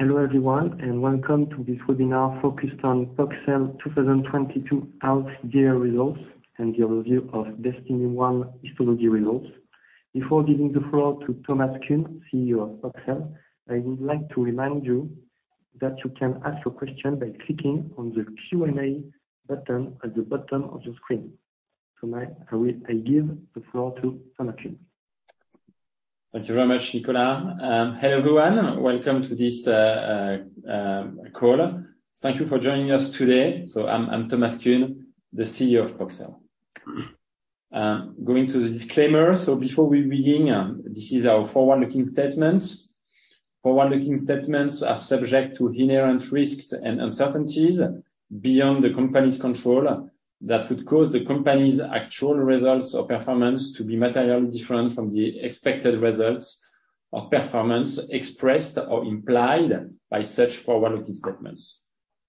Hello everyone, and welcome to this webinar focused on Poxel 2022 half-year results and the overview of DESTINY-1 histology results. Before giving the floor to Thomas Kuhn, CEO of Poxel, I would like to remind you that you can ask a question by clicking on the Q&A button at the bottom of your screen. Now I give the floor to Thomas Kuhn. Thank you very much, Nicolas. Hello, everyone. Welcome to this call. Thank you for joining us today. I'm Thomas Kuhn, the CEO of Poxel. Going to the disclaimer. Before we begin, this is our forward-looking statement. Forward-looking statements are subject to inherent risks and uncertainties beyond the company's control that could cause the company's actual results or performance to be materially different from the expected results or performance expressed or implied by such forward-looking statements.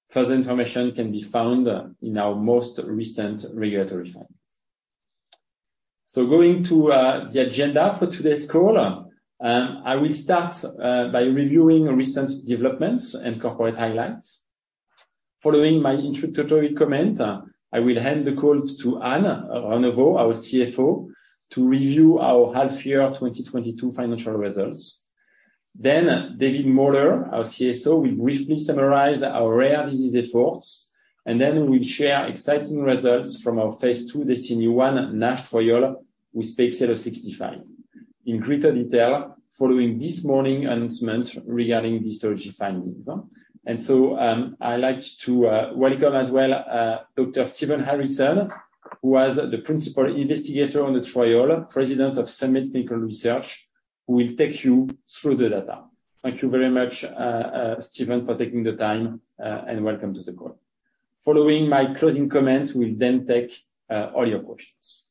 Further information can be found in our most recent regulatory filings. Going to the agenda for today's call. I will start by reviewing recent developments and corporate highlights. Following my introductory comment, I will hand the call to Anne Renevot, our CFO, to review our half year 2022 financial results. David Moller, our CSO, will briefly summarize our rare disease efforts, and then we'll share exciting results from our phase II DESTINY-1 NASH trial with PXL065 in greater detail following this morning announcement regarding histology findings. I like to welcome as well Dr. Stephen Harrison, who was the principal investigator on the trial, President of Summit Clinical Research, who will take you through the data. Thank you very much, Stephen, for taking the time, and welcome to the call. Following my closing comments, we'll then take all your questions.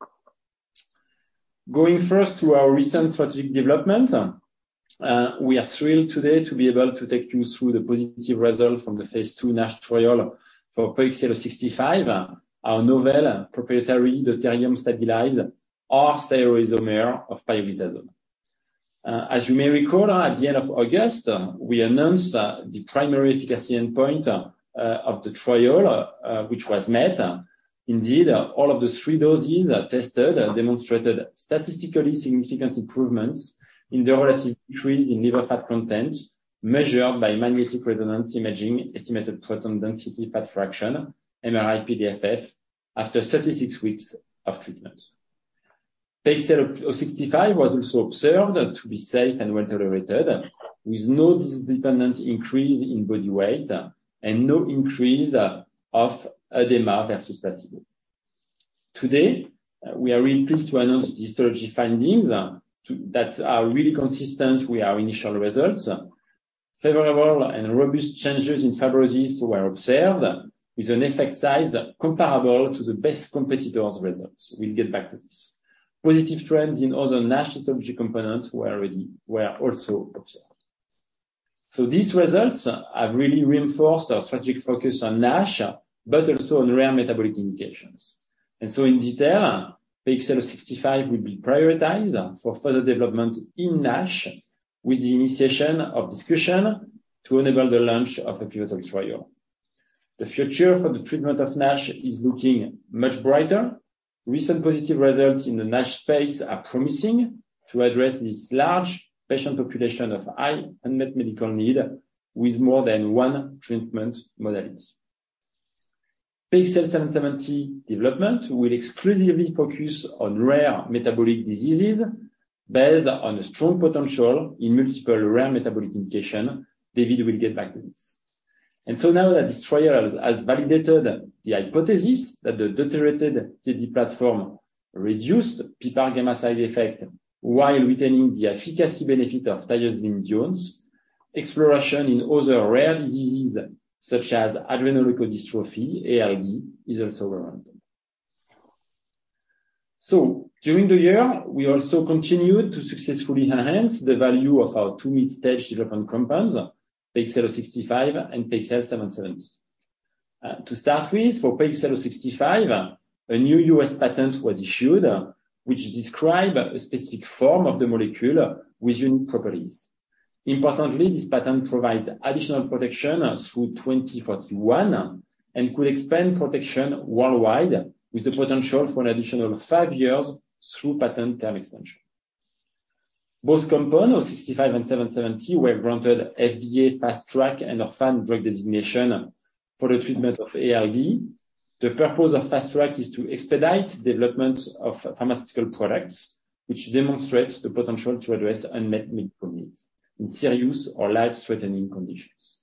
Going first to our recent strategic developments. We are thrilled today to be able to take you through the positive results from the phase II NASH trial for PXL065, our novel proprietary deuterium-stabilized R-stereoisomer of pioglitazone. As you may recall, at the end of August, we announced the primary efficacy endpoint of the trial, which was met. Indeed, all of the three doses tested demonstrated statistically significant improvements in the relative decrease in liver fat content measured by magnetic resonance imaging, estimated proton density fat fraction, MRI-PDFF, after 36 weeks of treatment. PXL065 was also observed to be safe and well-tolerated with no disease-dependent increase in body weight and no increase of edema versus placebo. Today, we are really pleased to announce histology findings that are really consistent with our initial results. Favorable and robust changes in fibrosis were observed with an effect size comparable to the best competitor's results. We'll get back to this. Positive trends in other NASH histology components were also observed. These results have really reinforced our strategic focus on NASH, but also on rare metabolic indications. In detail, PXL065 will be prioritized for further development in NASH with the initiation of discussion to enable the launch of a pivotal trial. The future for the treatment of NASH is looking much brighter. Recent positive results in the NASH space are promising to address this large patient population of high unmet medical need with more than one treatment modality. PXL770 development will exclusively focus on rare metabolic diseases based on a strong potential in multiple rare metabolic indication. David will get back to this. Now that this trial has validated the hypothesis that the deuterated TZD platform reduced PPAR gamma side effect while retaining the efficacy benefit of thiazolidinediones, exploration in other rare diseases such as adrenoleukodystrophy, ALD, is also warranted. During the year, we also continued to successfully enhance the value of our two mid-stage development compounds, PXL065 and PXL770. To start with, for PXL065, a new U.S. patent was issued, which describes a specific form of the molecule with unique properties. Importantly, this patent provides additional protection through 2041 and could expand protection worldwide with the potential for an additional five years through patent term extension. Both compounds, 65 and 770, were granted FDA Fast Track and Orphan Drug Designation for the treatment of ALD. The purpose of Fast Track is to expedite development of pharmaceutical products which demonstrate the potential to address unmet medical needs in serious or life-threatening conditions.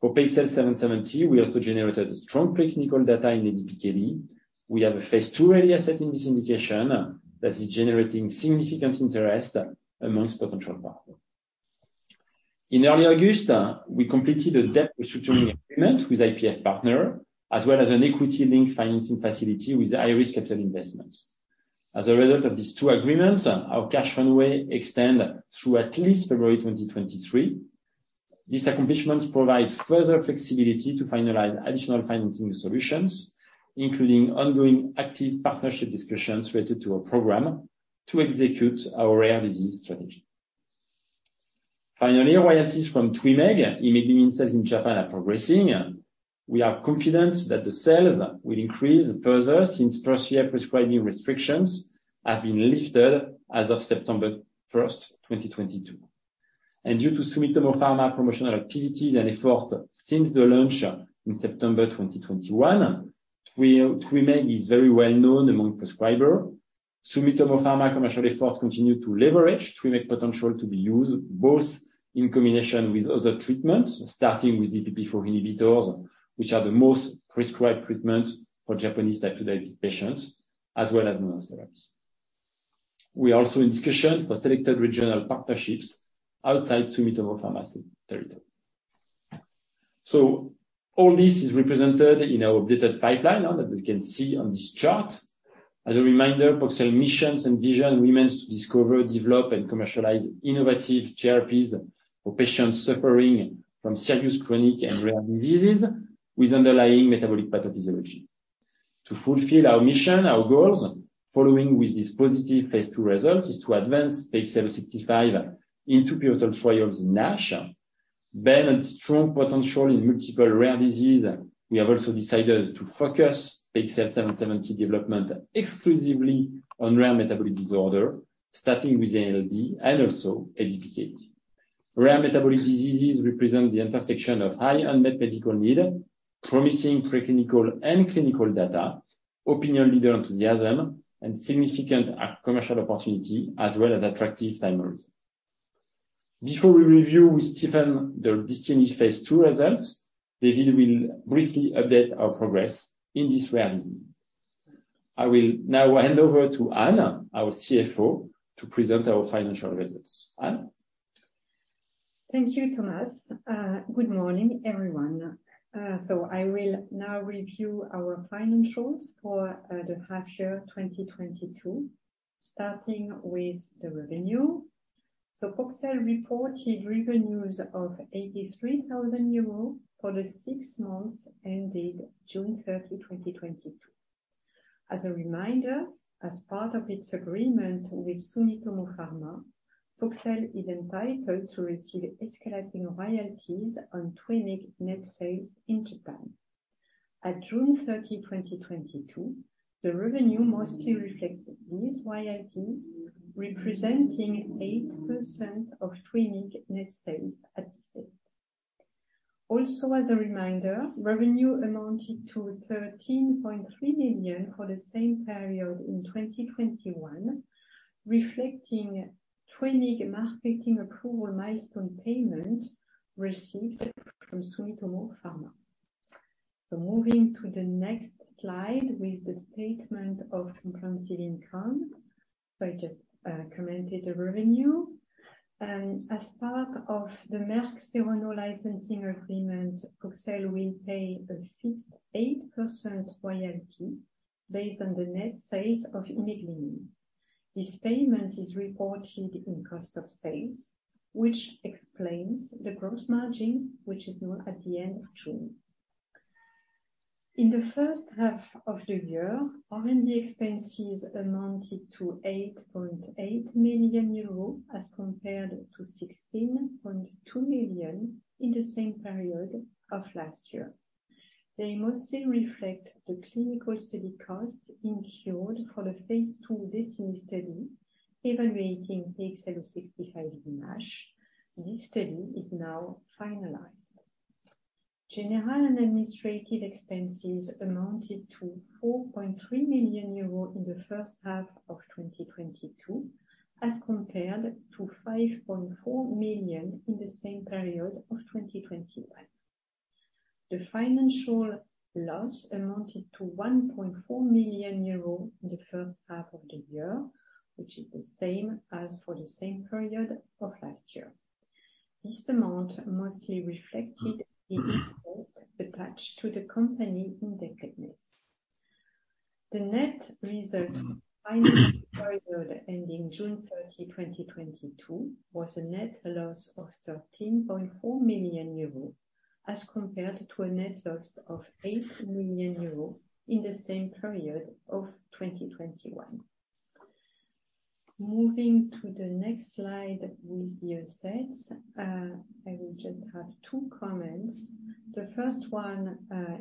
For PXL770, we also generated strong preclinical data in ADPKD. We have a phase two-ready asset in this indication that is generating significant interest amongst potential partners. In early August, we completed a debt restructuring agreement with IPF Partners, as well as an equity link financing facility with IRIS Capital Investment. As a result of these two agreements, our cash runway extend through at least February 2023. This accomplishment provides further flexibility to finalize additional financing solutions, including ongoing active partnership discussions related to our program. To execute our rare disease strategy. Finally, royalties from TWYMEEG imeglimin sales in Japan are progressing. We are confident that the sales will increase further since first year prescribing restrictions have been lifted as of September 1st, 2022. Due to Sumitomo Pharma promotional activities and efforts since the launch in September 2021, TWYMEEG is very well known among prescriber. Sumitomo Pharma commercial efforts continue to leverage TWYMEEG potential to be used both in combination with other treatments, starting with DPP-4 inhibitors, which are the most prescribed treatment for Japanese type 2 diabetic patients as well as monotherapies. We are also in discussion for selected regional partnerships outside Sumitomo Pharma territories. All this is represented in our updated pipeline that we can see on this chart. As a reminder, Poxel mission and vision remains to discover, develop and commercialize innovative therapies for patients suffering from serious chronic and rare diseases with underlying metabolic pathophysiology. To fulfill our mission, our goals following with this positive phase II results is to advance PXL065 into pivotal trials in NASH. Based on strong potential in multiple rare disease, we have also decided to focus PXL770 development exclusively on rare metabolic disorder, starting with ALD and also ADPKD. Rare metabolic diseases represent the intersection of high unmet medical need, promising preclinical and clinical data, opinion leader enthusiasm, and significant commercial opportunity as well as attractive timelines. Before we review with Stephen the DESTINY phase II results, David will briefly update our progress in these rare diseases. I will now hand over to Anne, our CFO, to present our financial results. Anne? Thank you, Thomas. Good morning, everyone. I will now review our financials for the half year 2022, starting with the revenue. Poxel reported revenues of 83 thousand euros for the six months ended June 30, 2022. As a reminder, as part of its agreement with Sumitomo Pharma, Poxel is entitled to receive escalating royalties on TWYMEEG net sales in Japan. At June 30, 2022, the revenue mostly reflects these royalties, representing 8% of TWYMEEG net sales as stated. Also as a reminder, revenue amounted to 13.3 million for the same period in 2021, reflecting TWYMEEG marketing approval milestone payment received from Sumitomo Pharma. Moving to the next slide with the statement of comprehensive income. I just commented the revenue. As part of the Merck Serono licensing agreement, Poxel will pay a fixed 8% royalty based on the net sales of imeglimin. This payment is reported in cost of sales, which explains the gross margin, which is now at the end of June. In the first half of the year, R&D expenses amounted to 8.8 million euros as compared to 16.2 million in the same period of last year. They mostly reflect the clinical study cost incurred for the phase II DESTINY study evaluating PXL065 in NASH. This study is now finalized. General and administrative expenses amounted to 4.3 million euros in the first half of 2022, as compared to 5.4 million in the same period of 2021. The financial loss amounted to 1.4 million euros in the first half of the year, which is the same as for the same period of last year. This amount mostly reflected the interest attached to the company indebtedness. The net result for the period ending June 30, 2022, was a net loss of 13.4 million euros, as compared to a net loss of 8 million euros in the same period of 2021. Moving to the next slide with the assets. I will just have two comments. The first one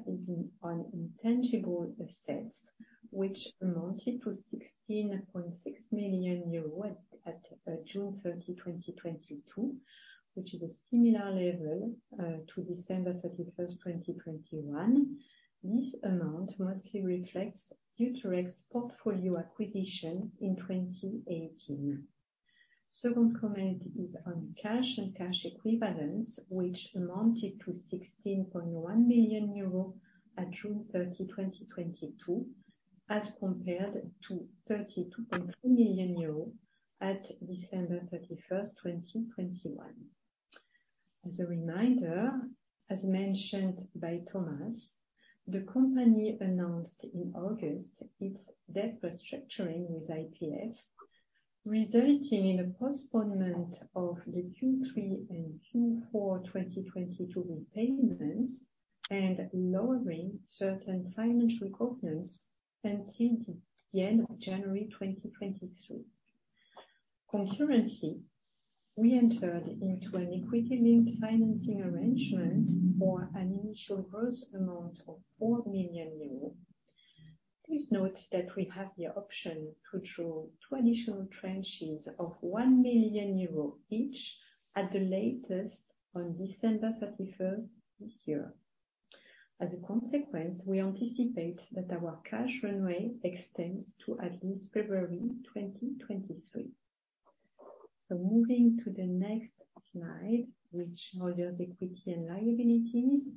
is on intangible assets, which amounted to 16.6 million euros at June 30, 2022, which is a similar level to December 31st, 2021. This amount mostly reflects DeuteRx portfolio acquisition in 2018. Second comment is on cash and cash equivalents, which amounted to 16.1 million euros at June 30, 2022, as compared to 32.3 million euros at December 31st, 2021. As a reminder, as mentioned by Thomas, the company announced in August its debt restructuring with IPF Partners, resulting in a postponement of the Q3 and Q4 2022 repayments and lowering certain financial covenants until the end of January 2023. Concurrently, we entered into an equity-linked financing arrangement for an initial gross amount of 4 million euros. Please note that we have the option to draw two additional tranches of 1 million euros each at the latest on December 31st this year. As a consequence, we anticipate that our cash runway extends to at least February 2023. Moving to the next slide, which holds equity and liabilities.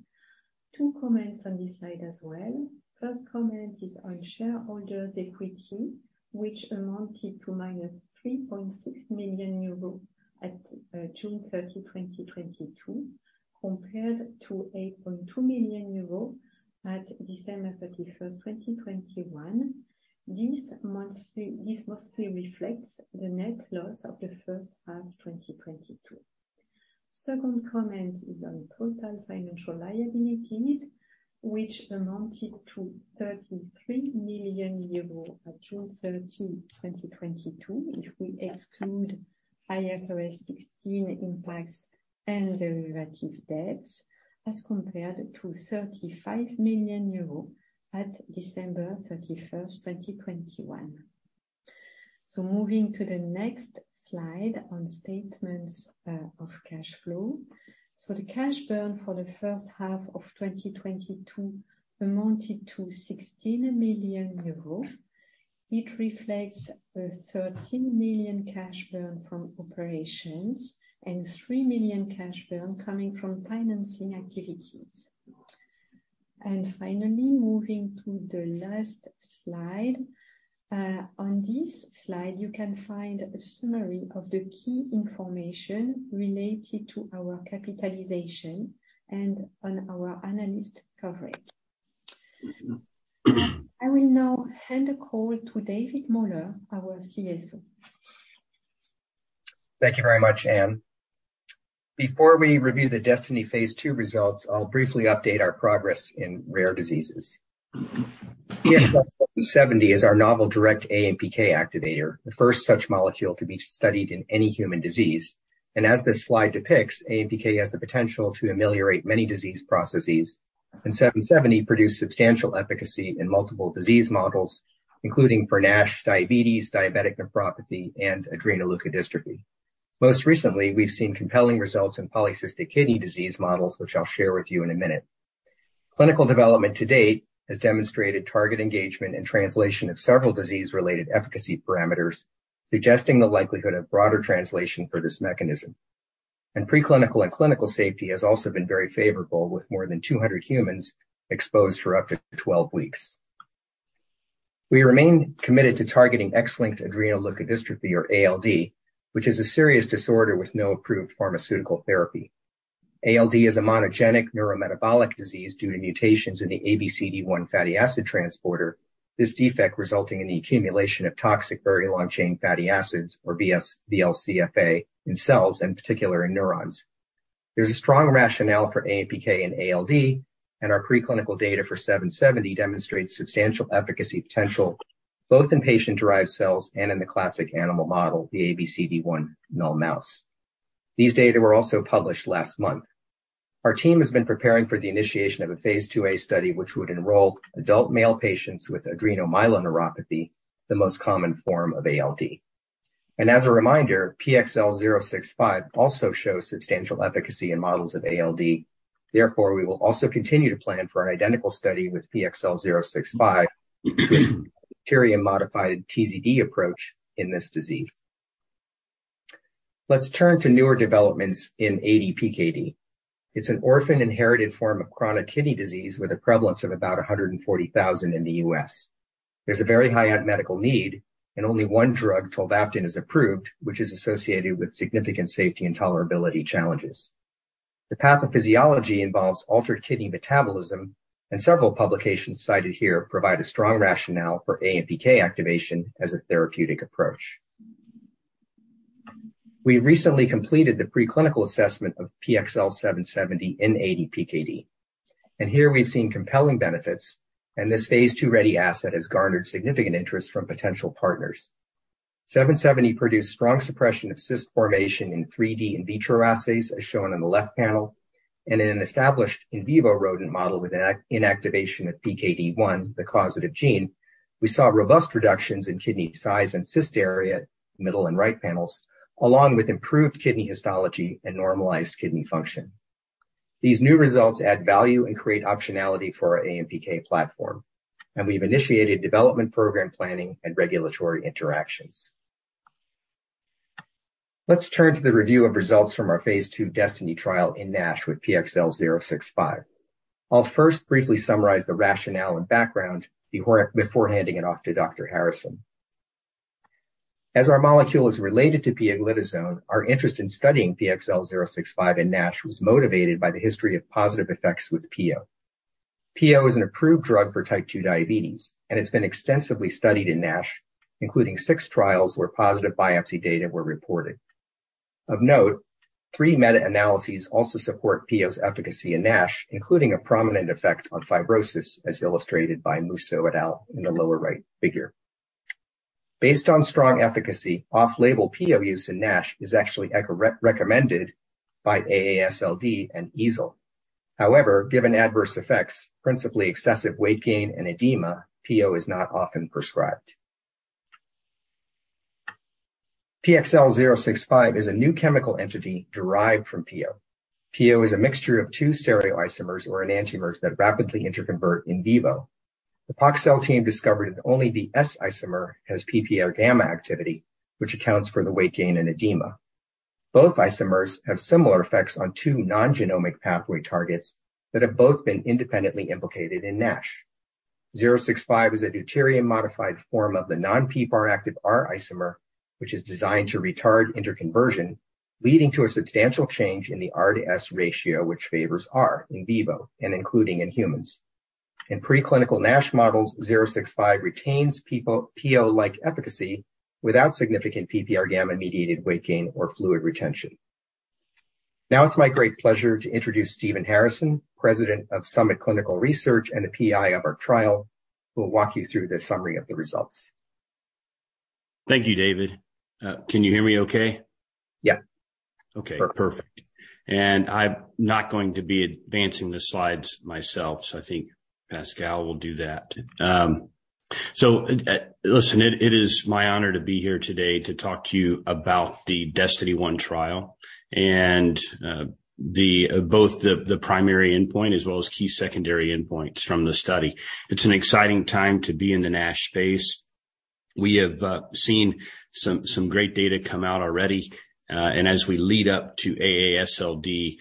Two comments on this slide as well. First comment is on shareholders equity, which amounted to 3.6 million euros at June 30, 2022, compared to 8.2 million euros at December 31st, 2021. This mostly reflects the net loss of the first half 2022. Second comment is on total financial liabilities, which amounted to 33 million euros at June 30, 2022, if we exclude IFRS 16 impacts and derivative debts, as compared to 35 million euros at December 31st, 2021. Moving to the next slide on statements of cash flow. The cash burn for the first half of 2022 amounted to 16 million euros. It reflects a 13 million cash burn from operations and 3 million cash burn coming from financing activities. Finally, moving to the last slide. On this slide, you can find a summary of the key information related to our capitalization and on our analyst coverage. I will now hand the call to David Moller, our CSO. Thank you very much, Anne. Before we review the DESTINY-1 phase II results, I'll briefly update our progress in rare diseases. PXL770 is our novel direct AMPK activator, the first such molecule to be studied in any human disease. As this slide depicts, AMPK has the potential to ameliorate many disease processes, and 770 produced substantial efficacy in multiple disease models, including for NASH, diabetes, diabetic nephropathy, and adrenoleukodystrophy. Most recently, we've seen compelling results in polycystic kidney disease models, which I'll share with you in a minute. Clinical development to date has demonstrated target engagement and translation of several disease-related efficacy parameters, suggesting the likelihood of broader translation for this mechanism. Preclinical and clinical safety has also been very favorable, with more than 200 humans exposed for up to 12 weeks. We remain committed to targeting X-linked adrenoleukodystrophy, or ALD, which is a serious disorder with no approved pharmaceutical therapy. ALD is a monogenic neurometabolic disease due to mutations in the ABCD1 fatty acid transporter, this defect resulting in the accumulation of toxic very long-chain fatty acids, or VLCFA, in cells, in particular in neurons. There's a strong rationale for AMPK in ALD, and our preclinical data for PXL770 demonstrates substantial efficacy potential both in patient-derived cells and in the classic animal model, the ABCD1 null mouse. These data were also published last month. Our team has been preparing for the initiation of a phase IIA study, which would enroll adult male patients with adrenomyeloneuropathy, the most common form of ALD. As a reminder, PXL065 also shows substantial efficacy in models of ALD. Therefore, we will also continue to plan for an identical study with PXL065 using a deuterium-modified TZD approach in this disease. Let's turn to newer developments in ADPKD. It's an orphan inherited form of chronic kidney disease with a prevalence of about 140,000 in the U.S. There's a very high unmet medical need, and only one drug, tolvaptan, is approved, which is associated with significant safety and tolerability challenges. The pathophysiology involves altered kidney metabolism, and several publications cited here provide a strong rationale for AMPK activation as a therapeutic approach. We recently completed the preclinical assessment of PXL770 in ADPKD, and here we've seen compelling benefits, and this phase II-ready asset has garnered significant interest from potential partners. PXL770 produced strong suppression of cyst formation in 3D in vitro assays, as shown on the left panel, and in an established in vivo rodent model with inactivation of PKD1, the causative gene, we saw robust reductions in kidney size and cyst area, middle and right panels, along with improved kidney histology and normalized kidney function. These new results add value and create optionality for our AMPK platform, and we've initiated development program planning and regulatory interactions. Let's turn to the review of results from our phase II DESTINY-1 trial in NASH with PXL065. I'll first briefly summarize the rationale and background before handing it off to Dr. Harrison. As our molecule is related to pioglitazone, our interest in studying PXL065 in NASH was motivated by the history of positive effects with pio. Pio is an approved drug for type 2 diabetes, and it's been extensively studied in NASH, including six trials where positive biopsy data were reported. Of note, three meta-analyses also support pio's efficacy in NASH, including a prominent effect on fibrosis, as illustrated by Musso et al. in the lower right figure. Based on strong efficacy, off-label pio use in NASH is actually recommended by AASLD and EASL. However, given adverse effects, principally excessive weight gain and edema, pio is not often prescribed. PXL065 is a new chemical entity derived from pio. Pio is a mixture of two stereoisomers or enantiomers that rapidly interconvert in vivo. The Poxel team discovered that only the S isomer has PPAR gamma activity, which accounts for the weight gain and edema. Both isomers have similar effects on two non-genomic pathway targets that have both been independently implicated in NASH. PXL065 is a deuterium-modified form of the non-PPAR active R isomer, which is designed to retard interconversion, leading to a substantial change in the R to S ratio, which favors R in vivo and including in humans. In preclinical NASH models, PXL065 retains pio-like efficacy without significant PPAR gamma-mediated weight gain or fluid retention. Now it's my great pleasure to introduce Stephen Harrison, President of Summit Clinical Research and the PI of our trial, who will walk you through the summary of the results. Thank you, David. Can you hear me okay? Yeah. Okay, perfect. I'm not going to be advancing the slides myself, so I think Pascale will do that. It is my honor to be here today to talk to you about the DESTINY-I trial and the primary endpoint as well as key secondary endpoints from the study. It's an exciting time to be in the NASH space. We have seen some great data come out already. As we lead up to AASLD,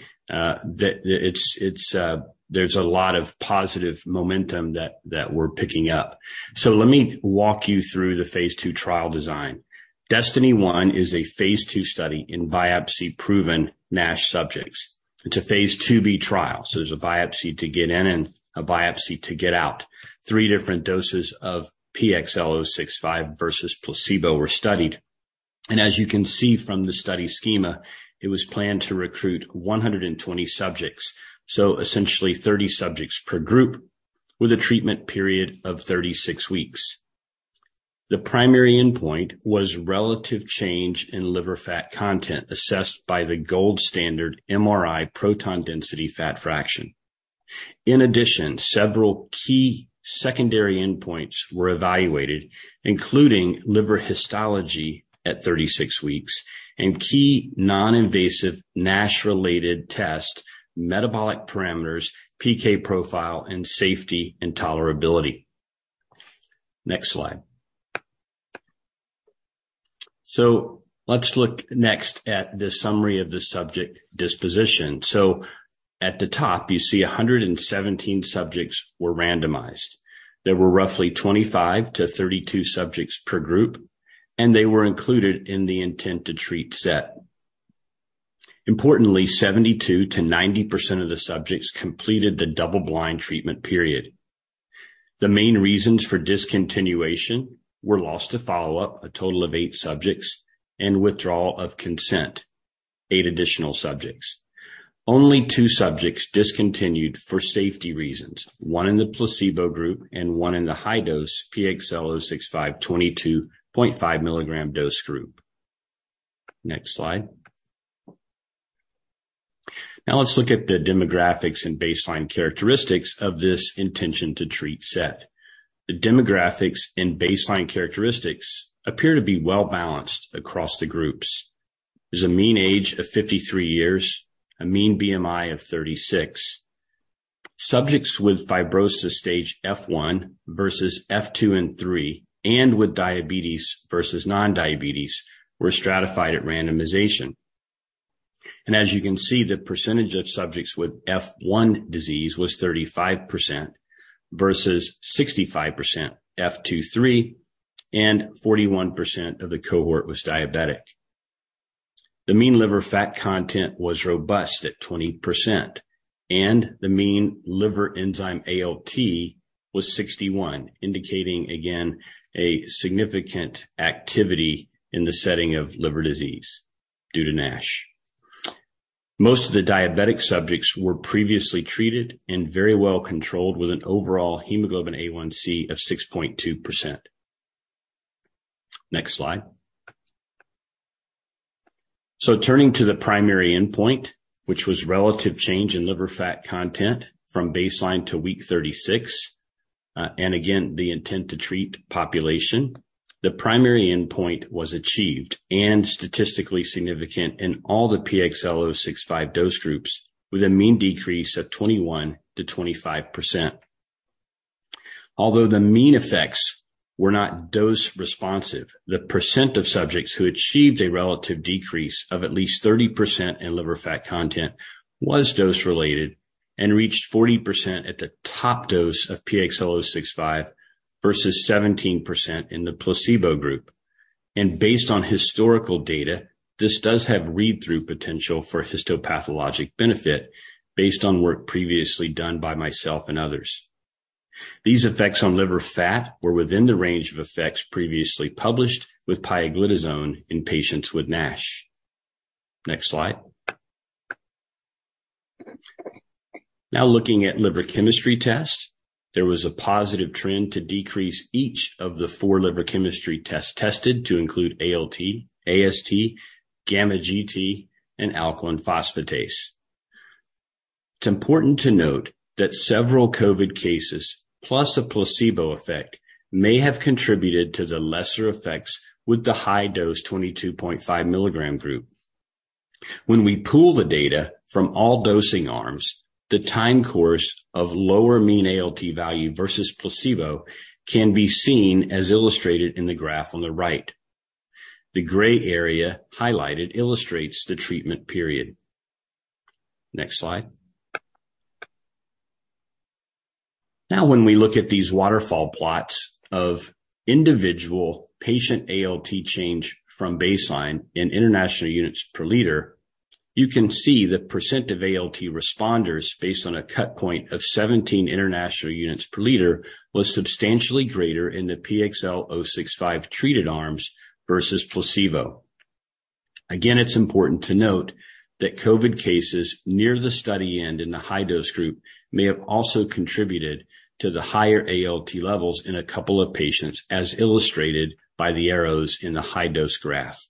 there's a lot of positive momentum that we're picking up. Let me walk you through the phase II trial design. DESTINY-I is a phase II study in biopsy-proven NASH subjects. It's a phase IIB trial, so there's a biopsy to get in and a biopsy to get out. Three different doses of PXL065 versus placebo were studied. As you can see from the study schema, it was planned to recruit 120 subjects. Essentially 30 subjects per group with a treatment period of 36 weeks. The primary endpoint was relative change in liver fat content assessed by the gold standard MRI-PDFF. In addition, several key secondary endpoints were evaluated, including liver histology at 36 weeks and key non-invasive NASH-related test, metabolic parameters, PK profile, and safety and tolerability. Next slide. Let's look next at the summary of the subject disposition. At the top, you see 117 subjects were randomized. There were roughly 25 subjects-32 subjects per group, and they were included in the intent-to-treat set. Importantly, 72%-90% of the subjects completed the double-blind treatment period. The main reasons for discontinuation were loss to follow-up, a total of eight subjects, and withdrawal of consent, eight additional subjects. Only two subjects discontinued for safety reasons, one in the placebo group and one in the high-dose PXL065 22.5 mg dose group. Next slide. Now let's look at the demographics and baseline characteristics of this intent-to-treat set. The demographics and baseline characteristics appear to be well-balanced across the groups. There's a mean age of 53 years, a mean BMI of 36. Subjects with fibrosis stage F1 versus F2 and F3 and with diabetes versus non-diabetes were stratified at randomization. As you can see, the percentage of subjects with F1 disease was 35% versus 65% F2/3, and 41% of the cohort was diabetic. The mean liver fat content was robust at 20%, and the mean liver enzyme ALT was 61, indicating again a significant activity in the setting of liver disease due to NASH. Most of the diabetic subjects were previously treated and very well controlled, with an overall hemoglobin A1c of 6.2%. Next slide. Turning to the primary endpoint, which was relative change in liver fat content from baseline to week 36. And again, the intent to treat population. The primary endpoint was achieved and statistically significant in all the PXL065 dose groups, with a mean decrease of 21%-25%. Although the mean effects were not dose responsive, the percent of subjects who achieved a relative decrease of at least 30% in liver fat content was dose-related and reached 40% at the top dose of PXL065 versus 17% in the placebo group. Based on historical data, this does have read-through potential for histopathologic benefit based on work previously done by myself and others. These effects on liver fat were within the range of effects previously published with pioglitazone in patients with NASH. Next slide. Now looking at liver chemistry tests, there was a positive trend to decrease each of the four liver chemistry tests tested to include ALT, AST, GGT, and alkaline phosphatase. It's important to note that several COVID cases plus a placebo effect may have contributed to the lesser effects with the high dose 22.5 mg group. When we pool the data from all dosing arms, the time course of lower mean ALT value versus placebo can be seen as illustrated in the graph on the right. The gray area highlighted illustrates the treatment period. Next slide. Now when we look at these waterfall plots of individual patient ALT change from baseline in international units per liter, you can see the % of ALT responders based on a cut point of 17 international units per liter was substantially greater in the PXL065 treated arms versus placebo. Again, it's important to note that COVID cases near the study end in the high dose group may have also contributed to the higher ALT levels in a couple of patients, as illustrated by the arrows in the high dose graph.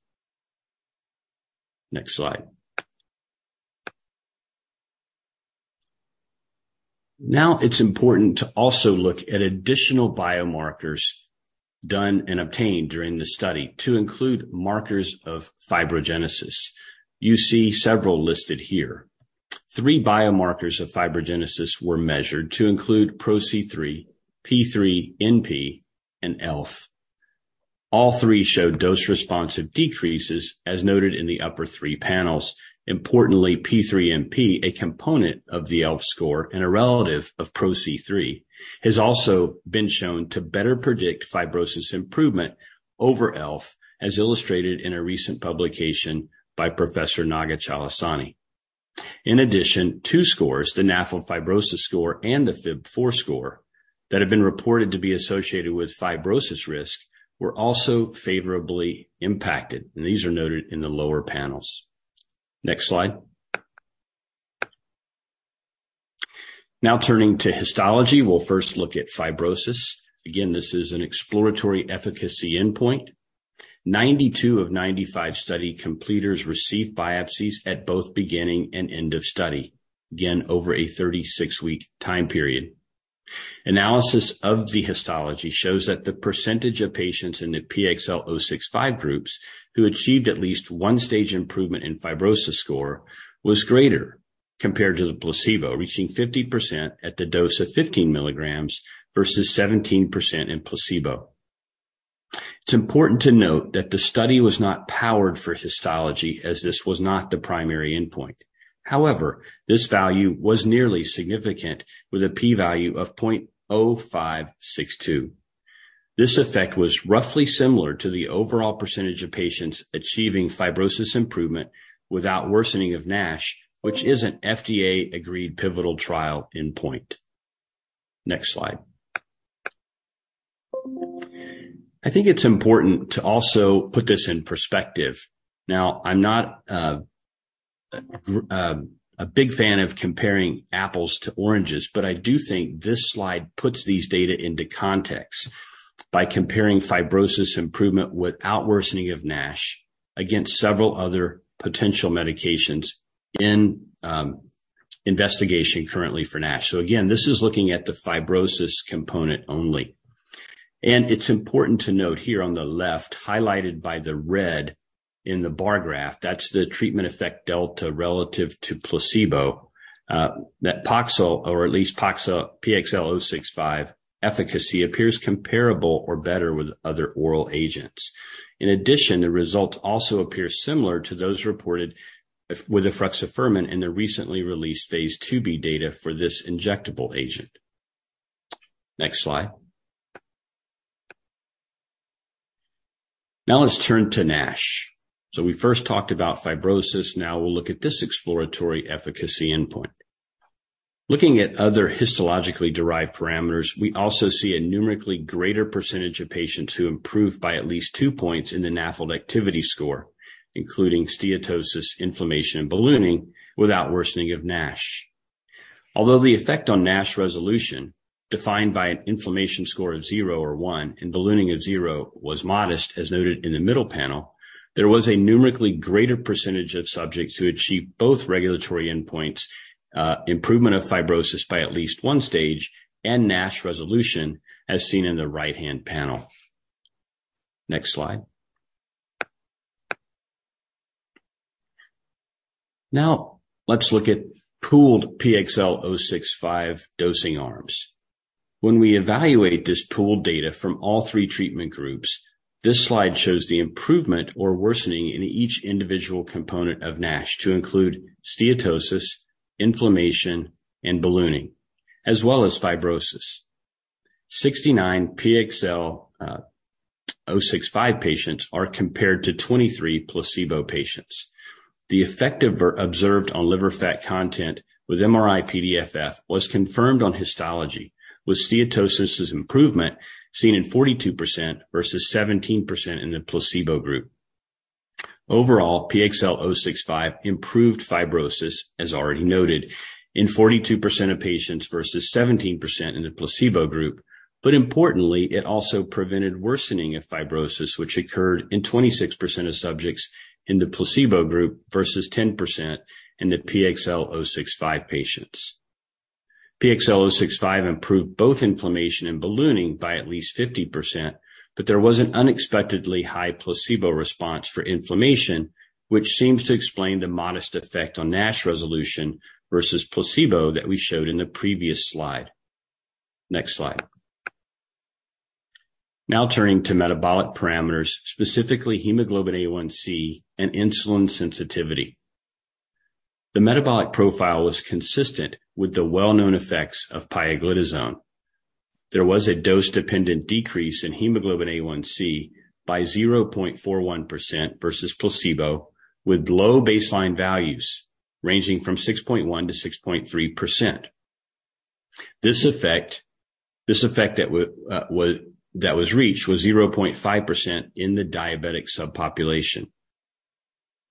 Next slide. Now it's important to also look at additional biomarkers done and obtained during the study to include markers of fibrogenesis. You see several listed here. Three biomarkers of fibrogenesis were measured to include PRO-C3, P3NP, and ELF. All three showed dose responsive decreases as noted in the upper three panels. Importantly, P3NP, a component of the ELF score and a relative of PRO-C3, has also been shown to better predict fibrosis improvement over ELF, as illustrated in a recent publication by Professor Naga Chalasani. In addition, two scores, the NAFLD fibrosis score and the FIB-4 score that have been reported to be associated with fibrosis risk, were also favorably impacted, and these are noted in the lower panels. Next slide. Now turning to histology. We'll first look at fibrosis. Again, this is an exploratory efficacy endpoint. 92 of 95 study completers received biopsies at both beginning and end of study, again over a 36-week time period. Analysis of the histology shows that the percentage of patients in the PXL065 groups who achieved at least one stage improvement in fibrosis score was greater compared to the placebo, reaching 50% at the dose of 15 mg versus 17% in placebo. It's important to note that the study was not powered for histology as this was not the primary endpoint. However, this value was nearly significant with a P value of 0.0562. This effect was roughly similar to the overall percentage of patients achieving fibrosis improvement without worsening of NASH, which is an FDA agreed pivotal trial endpoint. Next slide. I think it's important to also put this in perspective. I'm not a big fan of comparing apples to oranges, but I do think this slide puts these data into context by comparing fibrosis improvement without worsening of NASH against several other potential medications in investigation currently for NASH. Again, this is looking at the fibrosis component only. It's important to note here on the left, highlighted by the red in the bar graph, that's the treatment effect delta relative to placebo, that Poxel or at least Poxel PXL065 efficacy appears comparable or better with other oral agents. In addition, the results also appear similar to those reported with efruxifermin in the recently released phase IIB data for this injectable agent. Next slide. Now let's turn to NASH. We first talked about fibrosis. Now we'll look at this exploratory efficacy endpoint. Looking at other histologically derived parameters, we also see a numerically greater percentage of patients who improved by at least two points in the NAFLD activity score, including steatosis, inflammation, and ballooning without worsening of NASH. Although the effect on NASH resolution, defined by an inflammation score of zero or one and ballooning of zero, was modest, as noted in the middle panel, there was a numerically greater percentage of subjects who achieved both regulatory endpoints, improvement of fibrosis by at least one stage and NASH resolution, as seen in the right-hand panel. Next slide. Now let's look at pooled PXL065 dosing arms. When we evaluate this pooled data from all three treatment groups, this slide shows the improvement or worsening in each individual component of NASH to include steatosis, inflammation, and ballooning, as well as fibrosis. 69 PXL065 patients are compared to 23 placebo patients. The effective observed on liver fat content with MRI-PDFF was confirmed on histology, with steatosis's improvement seen in 42% versus 17% in the placebo group. Overall, PXL065 improved fibrosis, as already noted, in 42% of patients versus 17% in the placebo group. Importantly, it also prevented worsening of fibrosis, which occurred in 26% of subjects in the placebo group versus 10% in the PXL065 patients. PXL065 improved both inflammation and ballooning by at least 50%, but there was an unexpectedly high placebo response for inflammation, which seems to explain the modest effect on NASH resolution versus placebo that we showed in the previous slide. Next slide. Now turning to metabolic parameters, specifically hemoglobin A1c and insulin sensitivity. The metabolic profile was consistent with the well-known effects of pioglitazone. There was a dose-dependent decrease in hemoglobin A1c by 0.41% versus placebo, with low baseline values ranging from 6.1%-6.3%. This effect that was reached was 0.5% in the diabetic subpopulation.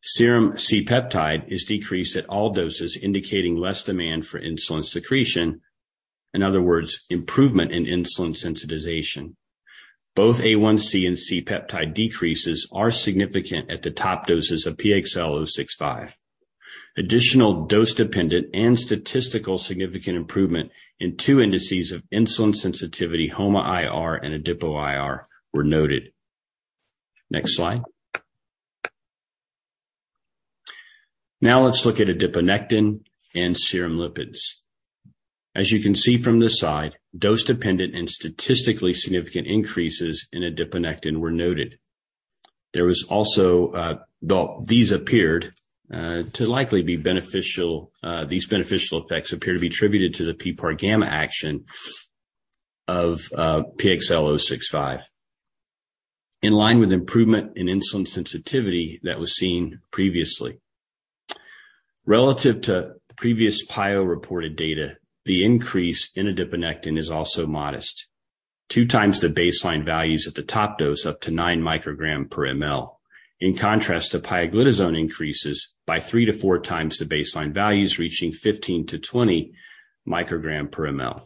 Serum C-peptide is decreased at all doses, indicating less demand for insulin secretion. In other words, improvement in insulin sensitization. Both A1c and C-peptide decreases are significant at the top doses of PXL065. Additional dose-dependent and statistically significant improvement in two indices of insulin sensitivity, HOMA-IR and Adipo-IR, were noted. Next slide. Now let's look at adiponectin and serum lipids. As you can see from this slide, dose-dependent and statistically significant increases in adiponectin were noted. There was also, these beneficial effects appear to be attributed to the PPARγ action of PXL065 in line with improvement in insulin sensitivity that was seen previously. Relative to previous pio-reported data, the increase in adiponectin is also modest. 2x the baseline values at the top dose, up to 9 μg/mL. In contrast to pioglitazone increases by 3x-4x the baseline values, reaching 15-20 μg/mL.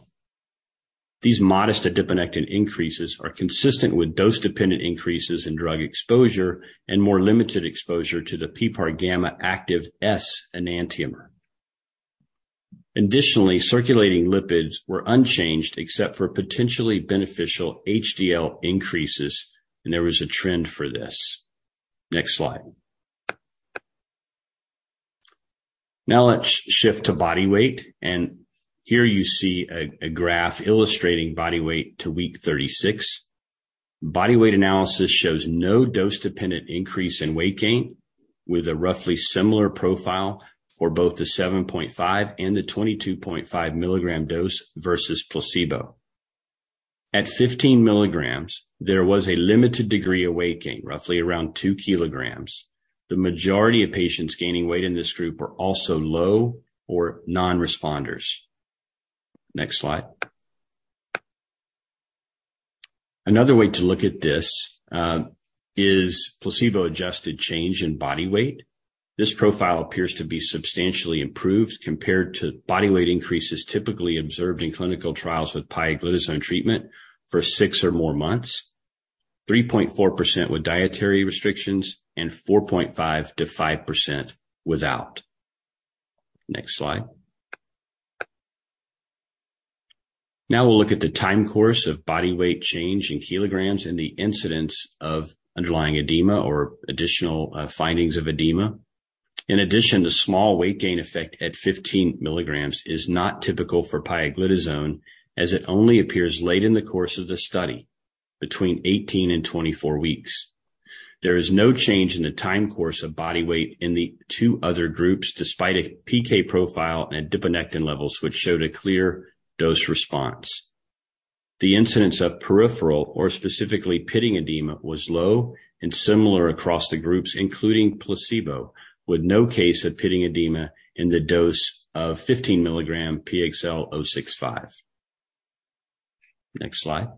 These modest adiponectin increases are consistent with dose-dependent increases in drug exposure and more limited exposure to the PPARγ active S enantiomer. Additionally, circulating lipids were unchanged except for potentially beneficial HDL increases, and there was a trend for this. Next slide. Now let's shift to body weight, and here you see a graph illustrating body weight to week 36. Body weight analysis shows no dose-dependent increase in weight gain, with a roughly similar profile for both the 7.5 and the 22.5 mg dose versus placebo. At 15 mg, there was a limited degree of weight gain, roughly around 2 kg. The majority of patients gaining weight in this group were also low or non-responders. Next slide. Another way to look at this is placebo-adjusted change in body weight. This profile appears to be substantially improved compared to body weight increases typically observed in clinical trials with pioglitazone treatment for six or more months, 3.4% with dietary restrictions and 4.5%-5% without. Next slide. Now we'll look at the time course of body weight change in kilograms and the incidence of underlying edema or additional findings of edema. In addition, the small weight gain effect at 15 mg is not typical for pioglitazone, as it only appears late in the course of the study between 18 weeks and 24 weeks. There is no change in the time course of body weight in the two other groups, despite a PK profile and adiponectin levels which showed a clear dose response. The incidence of peripheral or specifically pitting edema was low and similar across the groups, including placebo, with no case of pitting edema in the dose of 15 mg PXL065. Next slide.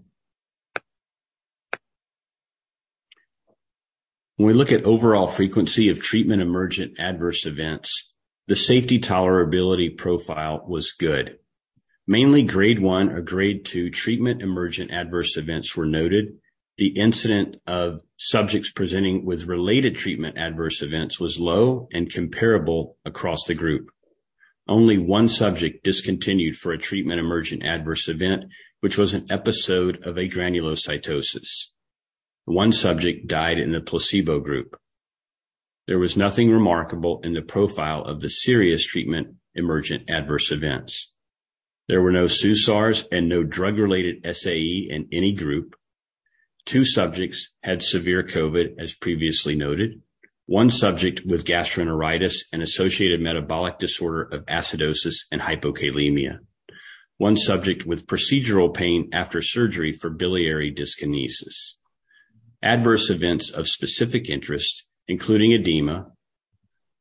When we look at overall frequency of treatment-emergent adverse events, the safety tolerability profile was good. Mainly grade one or grade two treatment-emergent adverse events were noted. The incidence of subjects presenting with related treatment adverse events was low and comparable across the group. Only one subject discontinued for a treatment emergent adverse event, which was an episode of agranulocytosis. One subject died in the placebo group. There was nothing remarkable in the profile of the serious treatment emergent adverse events. There were no SUSARs and no drug-related SAE in any group. Two subjects had severe COVID, as previously noted. One subject with gastroenteritis and associated metabolic disorder of acidosis and hypokalemia. One subject with procedural pain after surgery for biliary dyskinesia. Adverse events of specific interest, including edema.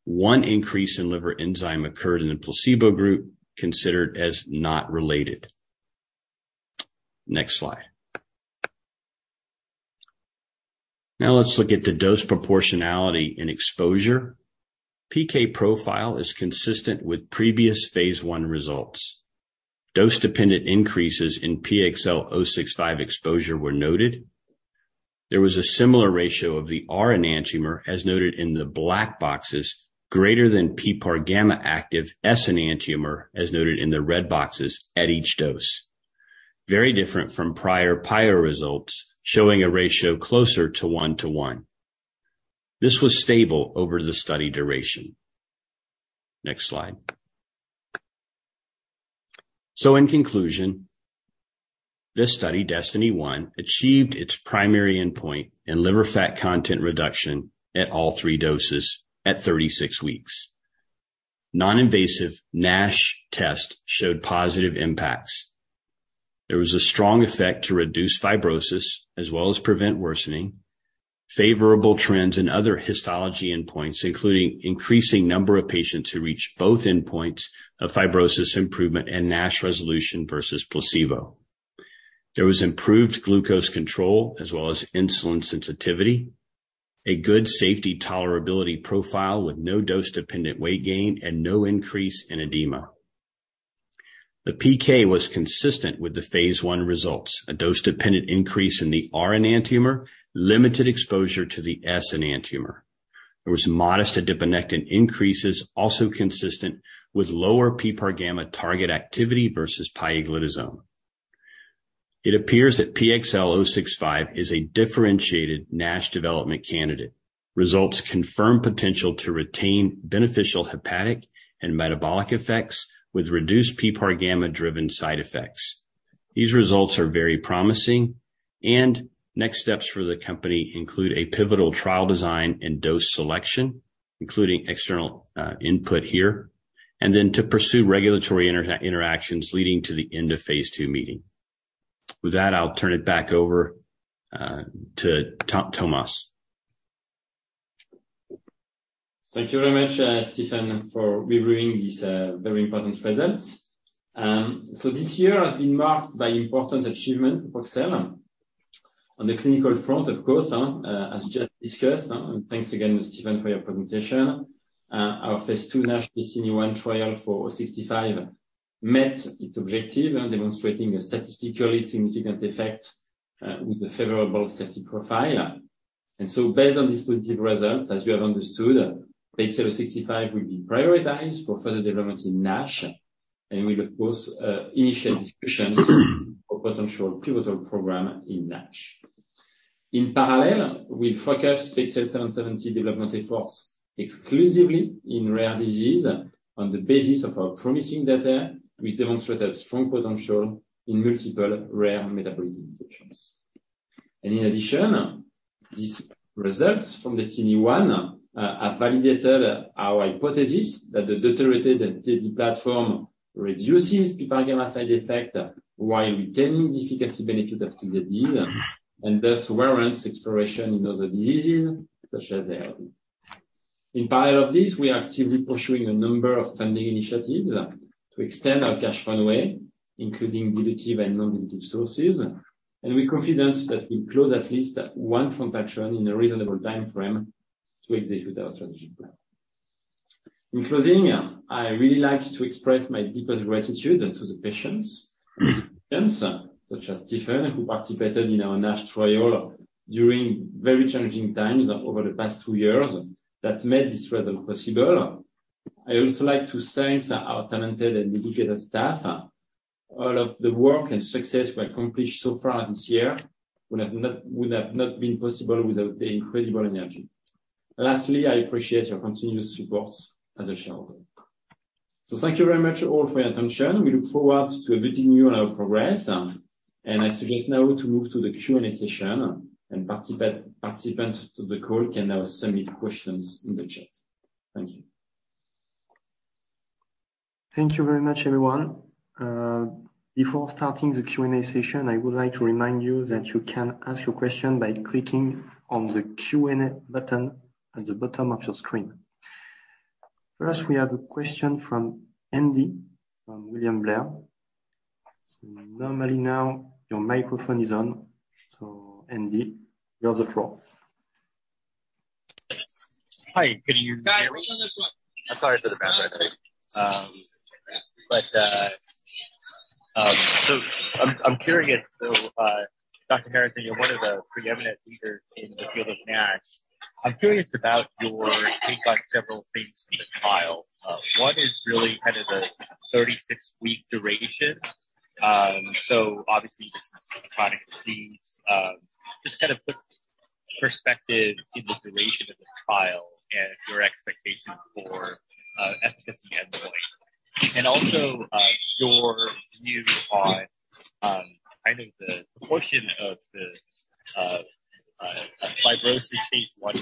One increase in liver enzyme occurred in the placebo group, considered as not related. Next slide. Now let's look at the dose proportionality in exposure. PK profile is consistent with previous phase I results. Dose-dependent increases in PXL065 exposure were noted. There was a similar ratio of the R enantiomer, as noted in the black boxes, greater than PPAR gamma active S enantiomer, as noted in the red boxes at each dose. Very different from prior pio results, showing a ratio closer to 1:1. This was stable over the study duration. Next slide. In conclusion, this study, DESTINY-1, achieved its primary endpoint in liver fat content reduction at all three doses at 36 weeks. Non-invasive NASH test showed positive impacts. There was a strong effect to reduce fibrosis as well as prevent worsening. Favorable trends in other histology endpoints, including increasing number of patients who reached both endpoints of fibrosis improvement and NASH resolution versus placebo. There was improved glucose control as well as insulin sensitivity. A good safety tolerability profile with no dose-dependent weight gain and no increase in edema. The PK was consistent with the phase I results. A dose-dependent increase in the R enantiomer limited exposure to the S enantiomer. There was modest adiponectin increases also consistent with lower PPAR gamma target activity versus pioglitazone. It appears that PXL065 is a differentiated NASH development candidate. Results confirm potential to retain beneficial hepatic and metabolic effects with reduced PPAR gamma-driven side effects. These results are very promising, and next steps for the company include a pivotal trial design and dose selection, including external input here, and then to pursue regulatory interactions leading to the end of phase two meeting. With that, I'll turn it back over to Thomas. Thank you very much, Stephen, for reviewing these, very important results. This year has been marked by important achievement for Poxel. On the clinical front, of course, as just discussed. Thanks again, Stephen, for your presentation. Our phase II NASH DESTINY-1 trial for PXL065 met its objective and demonstrating a statistically significant effect, with a favorable safety profile. Based on these positive results, as you have understood, PXL065 will be prioritized for further development in NASH and will of course, initiate discussions for potential pivotal program in NASH. In parallel, we focus PXL770 development efforts exclusively in rare disease on the basis of our promising data which demonstrated strong potential in multiple rare metabolic indications. In addition, these results from DESTINY-1 have validated our hypothesis that the deuterated TZD platform reduces PPARγ side effect while retaining the efficacy benefit of TZDs and thus warrants exploration in other diseases such as ALD. In parallel of this, we are actively pursuing a number of funding initiatives to extend our cash runway, including dilutive and non-dilutive sources, and we are confident that we'll close at least one transaction in a reasonable tim.frame to execute our strategic plan. In closing, I really like to express my deepest gratitude to the patients, such as Stephen, who participated in our NASH trial during very challenging times over the past two years that made this result possible. I also like to thank our talented and dedicated staff. All of the work and success we accomplished so far this year would have not been possible without their incredible energy. Lastly, I appreciate your continuous support as a shareholder. Thank you very much all for your attention. We look forward to updating you on our progress. I suggest now to move to the Q&A session. Participants to the call can now submit questions in the chat. Thank you. Thank you very much, everyone. Before starting the Q&A session, I would like to remind you that you can ask your question by clicking on the Q&A button at the bottom of your screen. First, we have a question from Andy from William Blair. Normally now your microphone is on. Andy, you have the floor. Hi. Can you hear me? I'm sorry for the bad Wi-Fi. I'm curious. Dr. Harrison, you're one of the preeminent leaders in the field of NASH. I'm curious about your take on several things in the trial. One is really kind of the 36-week duration. Obviously this is a progressive disease. Just kind of put in perspective the duration of the trial and your expectation for efficacy endpoint. Also, your views on kind of the proportion of the fibrosis stage one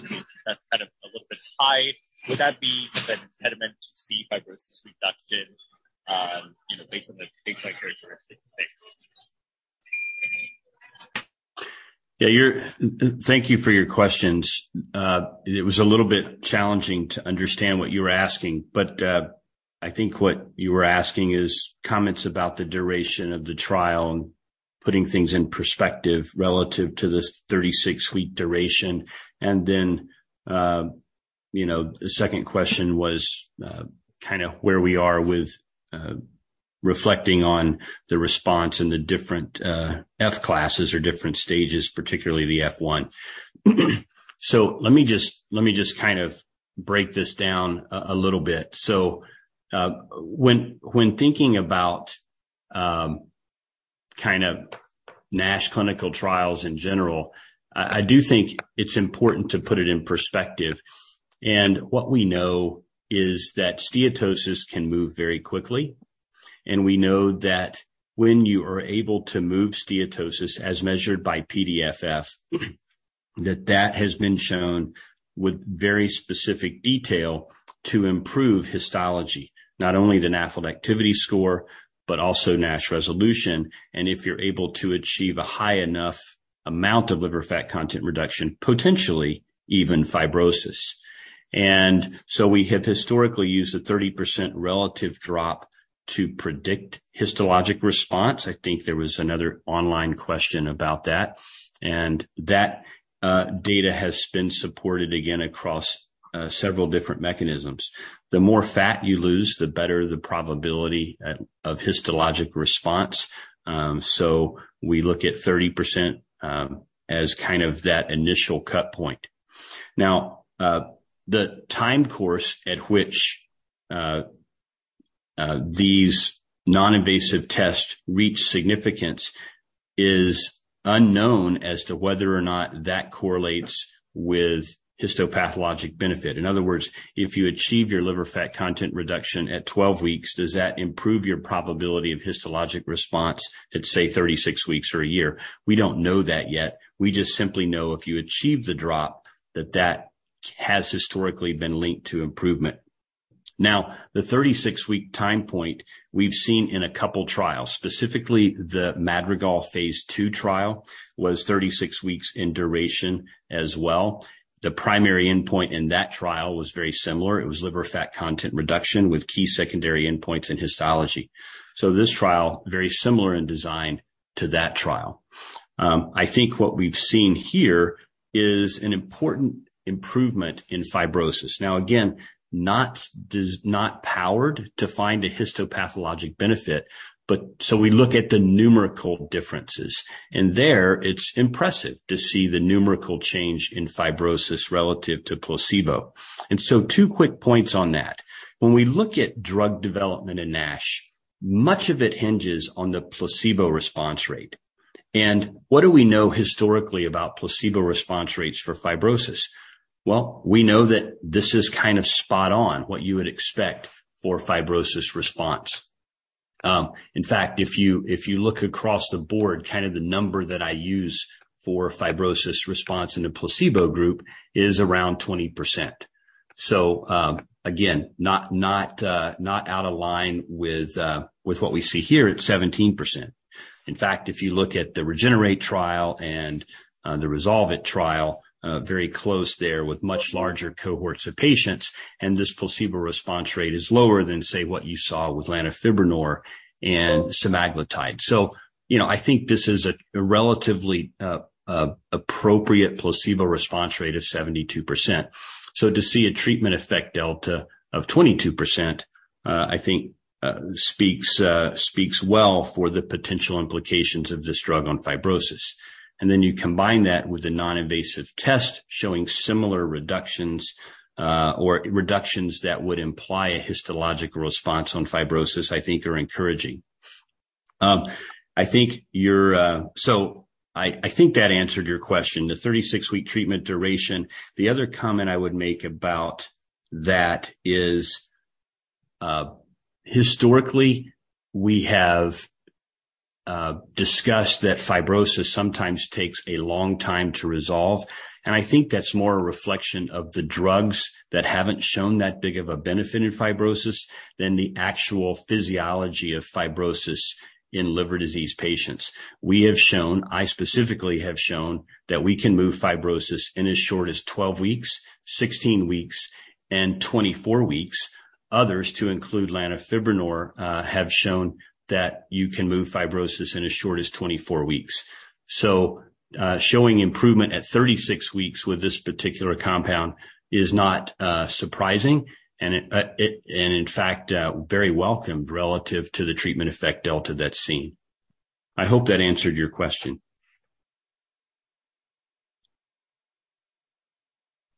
that's kind of a little bit high. Would that be an impediment to see fibrosis reduction based on the baseline characteristics? Thanks. Thank you for your questions. It was a little bit challenging to understand what you were asking, but I think what you were asking is comments about the duration of the trial and putting things in perspective relative to this 36-week duration. You know, the second question was kind of where we are with reflecting on the response in the different F classes or different stages, particularly the F1. Let me just kind of break this down a little bit. When thinking about kind of NASH clinical trials in general, I do think it's important to put it in perspective. What we know is that steatosis can move very quickly, and we know that when you are able to move steatosis as measured by PDFF, that has been shown with very specific detail to improve histology. Not only the NAFLD Activity Score, but also NASH resolution, and if you're able to achieve a high enough amount of liver fat content reduction, potentially even fibrosis. We have historically used a 30% relative drop to predict histologic response. I think there was another online question about that. That data has been supported again across several different mechanisms. The more fat you lose, the better the probability of histologic response. We look at 30% as kind of that initial cut point. Now, the time course at which these non-invasive tests reach significance is unknown as to whether or not that correlates with histopathologic benefit. In other words, if you achieve your liver fat content reduction at 12 weeks, does that improve your probability of histologic response at, say, 36 weeks or a year? We don't know that yet. We just simply know if you achieve the drop that that has historically been linked to improvement. Now, the 36-week time point we've seen in a couple trials, specifically the Madrigal phase II trial was 36 weeks in duration as well. The primary endpoint in that trial was very similar. It was liver fat content reduction with key secondary endpoints in histology. This trial, very similar in design to that trial. I think what we've seen here is an important improvement in fibrosis. Now, again, not powered to find a histopathologic benefit, but we look at the numerical differences. There it's impressive to see the numerical change in fibrosis relative to placebo. Two quick points on that. When we look at drug development in NASH, much of it hinges on the placebo response rate. What do we know historically about placebo response rates for fibrosis? Well, we know that this is kind of spot on what you would expect for fibrosis response. In fact, if you look across the board, kind of the number that I use for fibrosis response in a placebo group is around 20%. Again, not out of line with what we see here at 17%. In fact, if you look at the REGENERATE trial and the RESOLVE-IT trial, very close there with much larger cohorts of patients, and this placebo response rate is lower than, say, what you saw with lanifibranor and semaglutide. You know, I think this is a relatively appropriate placebo response rate of 72%. To see a treatment effect delta of 22%, I think speaks well for the potential implications of this drug on fibrosis. Then you combine that with a non-invasive test showing similar reductions or reductions that would imply a histologic response on fibrosis, I think are encouraging. I think that answered your question, the 36-week treatment duration. The other comment I would make about that is, historically, we have discussed that fibrosis sometimes takes a long time to resolve, and I think that's more a reflection of the drugs that haven't shown that big of a benefit in fibrosis than the actual physiology of fibrosis in liver disease patients. We have shown, I specifically have shown, that we can move fibrosis in as short as 12 weeks, 16 weeks, and 24 weeks. Others to include lanifibranor have shown that you can move fibrosis in as short as 24 weeks. Showing improvement at 36 weeks with this particular compound is not surprising, and in fact very welcomed relative to the treatment effect delta that's seen. I hope that answered your question.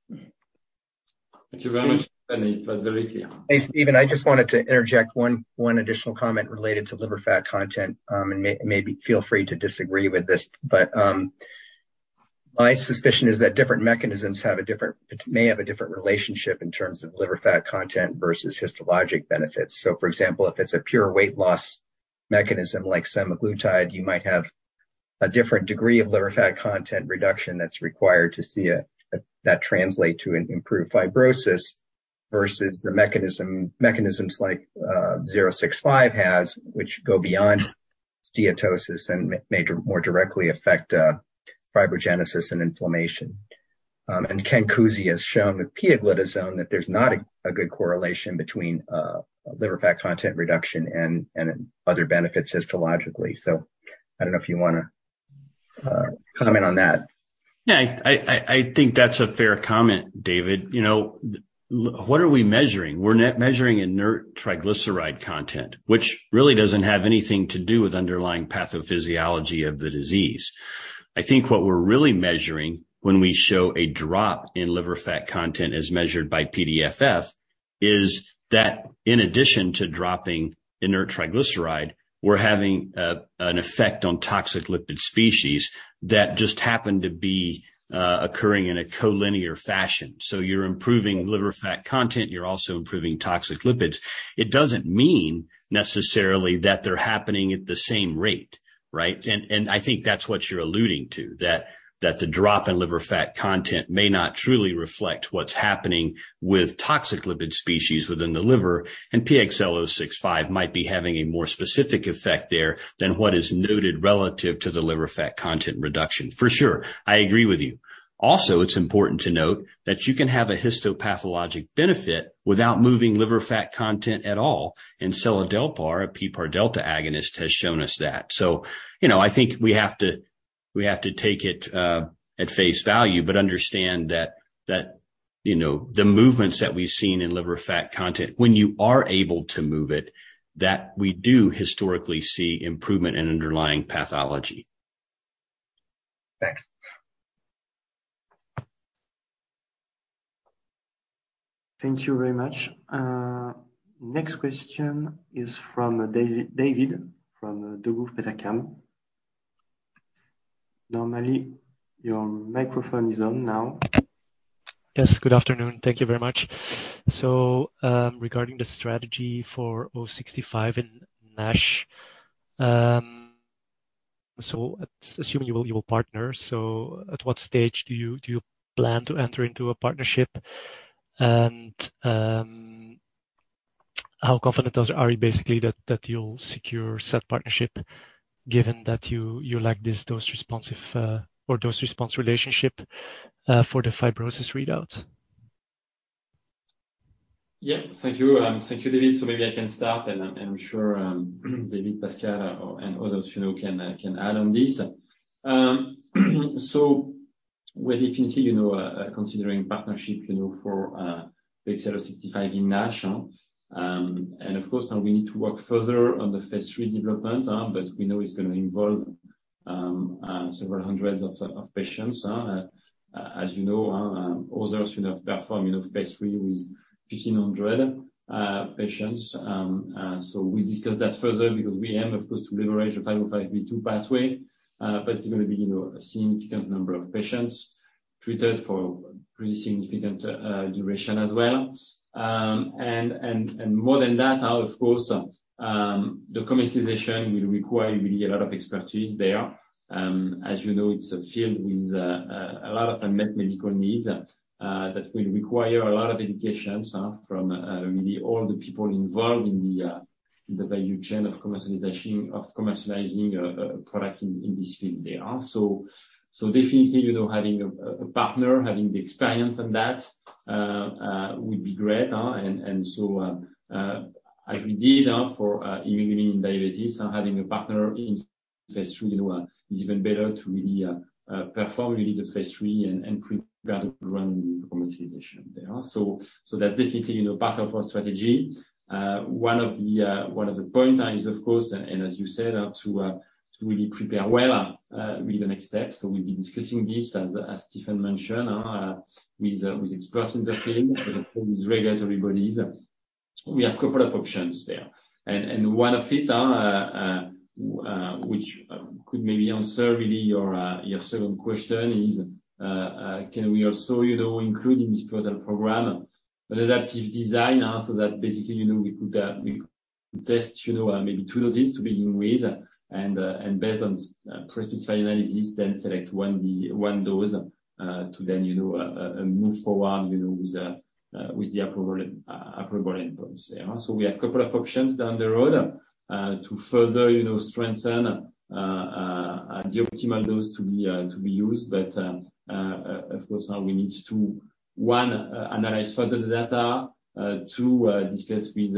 Thank you very much. Hey, Stephen, I just wanted to interject one additional comment related to liver fat content, and maybe feel free to disagree with this, but. My suspicion is that different mechanisms may have a different relationship in terms of liver fat content versus histologic benefits. For example, if it's a pure weight loss mechanism like semaglutide, you might have a different degree of liver fat content reduction that's required to see that translate to an improved fibrosis versus the mechanisms like PXL065 has, which go beyond steatosis and may more directly affect fibrogenesis and inflammation. Kenneth Cusi has shown with pioglitazone that there's not a good correlation between liver fat content reduction and other benefits histologically. I don't know if you wanna comment on that. Yeah, I think that's a fair comment, David. You know, what are we measuring? We're not measuring inert triglyceride content, which really doesn't have anything to do with underlying pathophysiology of the disease. I think what we're really measuring when we show a drop in liver fat content as measured by PDFF is that in addition to dropping inert triglyceride, we're having an effect on toxic lipid species that just happen to be occurring in a collinear fashion. You're improving liver fat content, you're also improving toxic lipids. It doesn't mean necessarily that they're happening at the same rate, right? I think that's what you're alluding to, that the drop in liver fat content may not truly reflect what's happening with toxic lipid species within the liver, and PXL065 might be having a more specific effect there than what is noted relative to the liver fat content reduction. For sure, I agree with you. Also, it's important to note that you can have a histopathologic benefit without moving liver fat content at all. seladelpar, a PPAR-delta agonist, has shown us that. You know, I think we have to take it at face value, but understand that you know, the movements that we've seen in liver fat content when you are able to move it, that we do historically see improvement in underlying pathology. Thanks. Thank you very much. Next question is from David from Kepler Cheuvreux. Normally, your microphone is on now. Yes. Good afternoon. Thank you very much. Regarding the strategy for PXL065 in NASH, assuming you will partner, at what stage do you plan to enter into a partnership and how confident are you basically that you'll secure said partnership given that you like this dose responsive or dose response relationship for the fibrosis readout? Yeah. Thank you. Thank you, David. Maybe I can start and I'm sure David, Pascale or and others, you know, can add on this. We're definitely, you know, considering partnership, you know, for PXL065 in NASH. Of course, now we need to work further on the phase III development, but we know it's gonna involve several hundreds of patients, as you know, others, you know, perform phase III with 1,500 patients. We discuss that further because we aim of course to leverage the 505(b)(2) pathway. It's gonna be, you know, a significant number of patients treated for pretty significant duration as well. More than that, of course, the commercialization will require really a lot of expertise there. As you know, it's a field with a lot of unmet medical needs that will require a lot of education from really all the people involved in the value chain of commercialization, of commercializing a product in this field there. Definitely, you know, having a partner, having the experience on that would be great, and so like we did for hemophilia and diabetes and having a partner in phase III, you know, is even better to really perform really the phase III and prepare to run commercialization there. That's definitely, you know, part of our strategy. One of the points is of course, as you said, to really prepare well with the next steps. We'll be discussing this, as Stephen mentioned, with experts in the field, with regulatory bodies. We have couple of options there. One of it, which could maybe answer really your second question is, can we also, you know, include in this product program an adaptive design, so that basically, you know, we could test, you know, maybe two doses to begin with and, based on pre-specified analysis then select one dose to then, you know, move forward, you know, with the approval endpoints. We have couple of options down the road to further, you know, strengthen the optimal dose to be used. Of course, now we need to one, analyze further the data, two, discuss with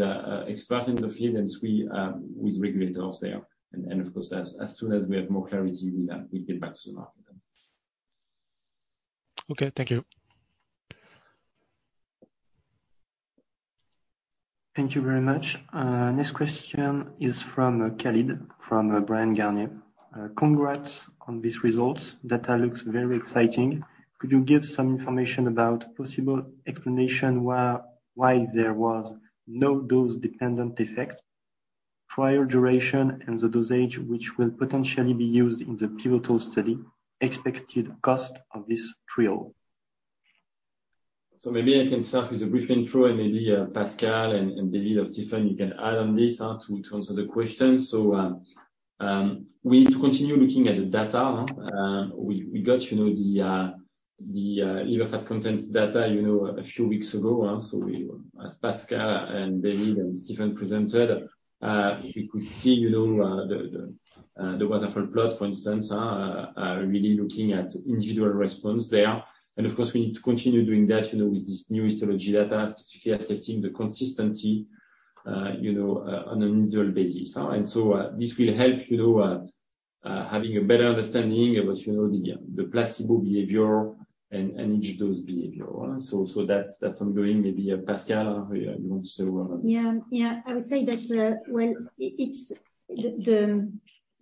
expert in the field, and three, with regulators there. Of course, as soon as we have more clarity, we get back to the market. Okay. Thank you. Thank you very much. Next question is from Khalid from Bryan, Garnier & Co. Congrats on these results. Data looks very exciting. Could you give some information about possible explanation why there was no dose-dependent effect on prior duration and the dosage which will potentially be used in the pivotal study, expected cost of this trial. Maybe I can start with a brief intro and maybe, Pascale and David or Stephen, you can add on this, to answer the question. We need to continue looking at the data. We got you know, the liver fat contents data, you know, a few weeks ago. As Pascal and David and Stephen presented, we could see, you know, the waterfall plot, for instance, really looking at individual response there. Of course, we need to continue doing that, you know, with this new histology data, specifically assessing the consistency, you know, on an individual basis. This will help, you know, having a better understanding of what, you know, the placebo behavior and each dose behavior. That's ongoing. Maybe, Pascal, you want to say a word on this? I would say that, well, it's the.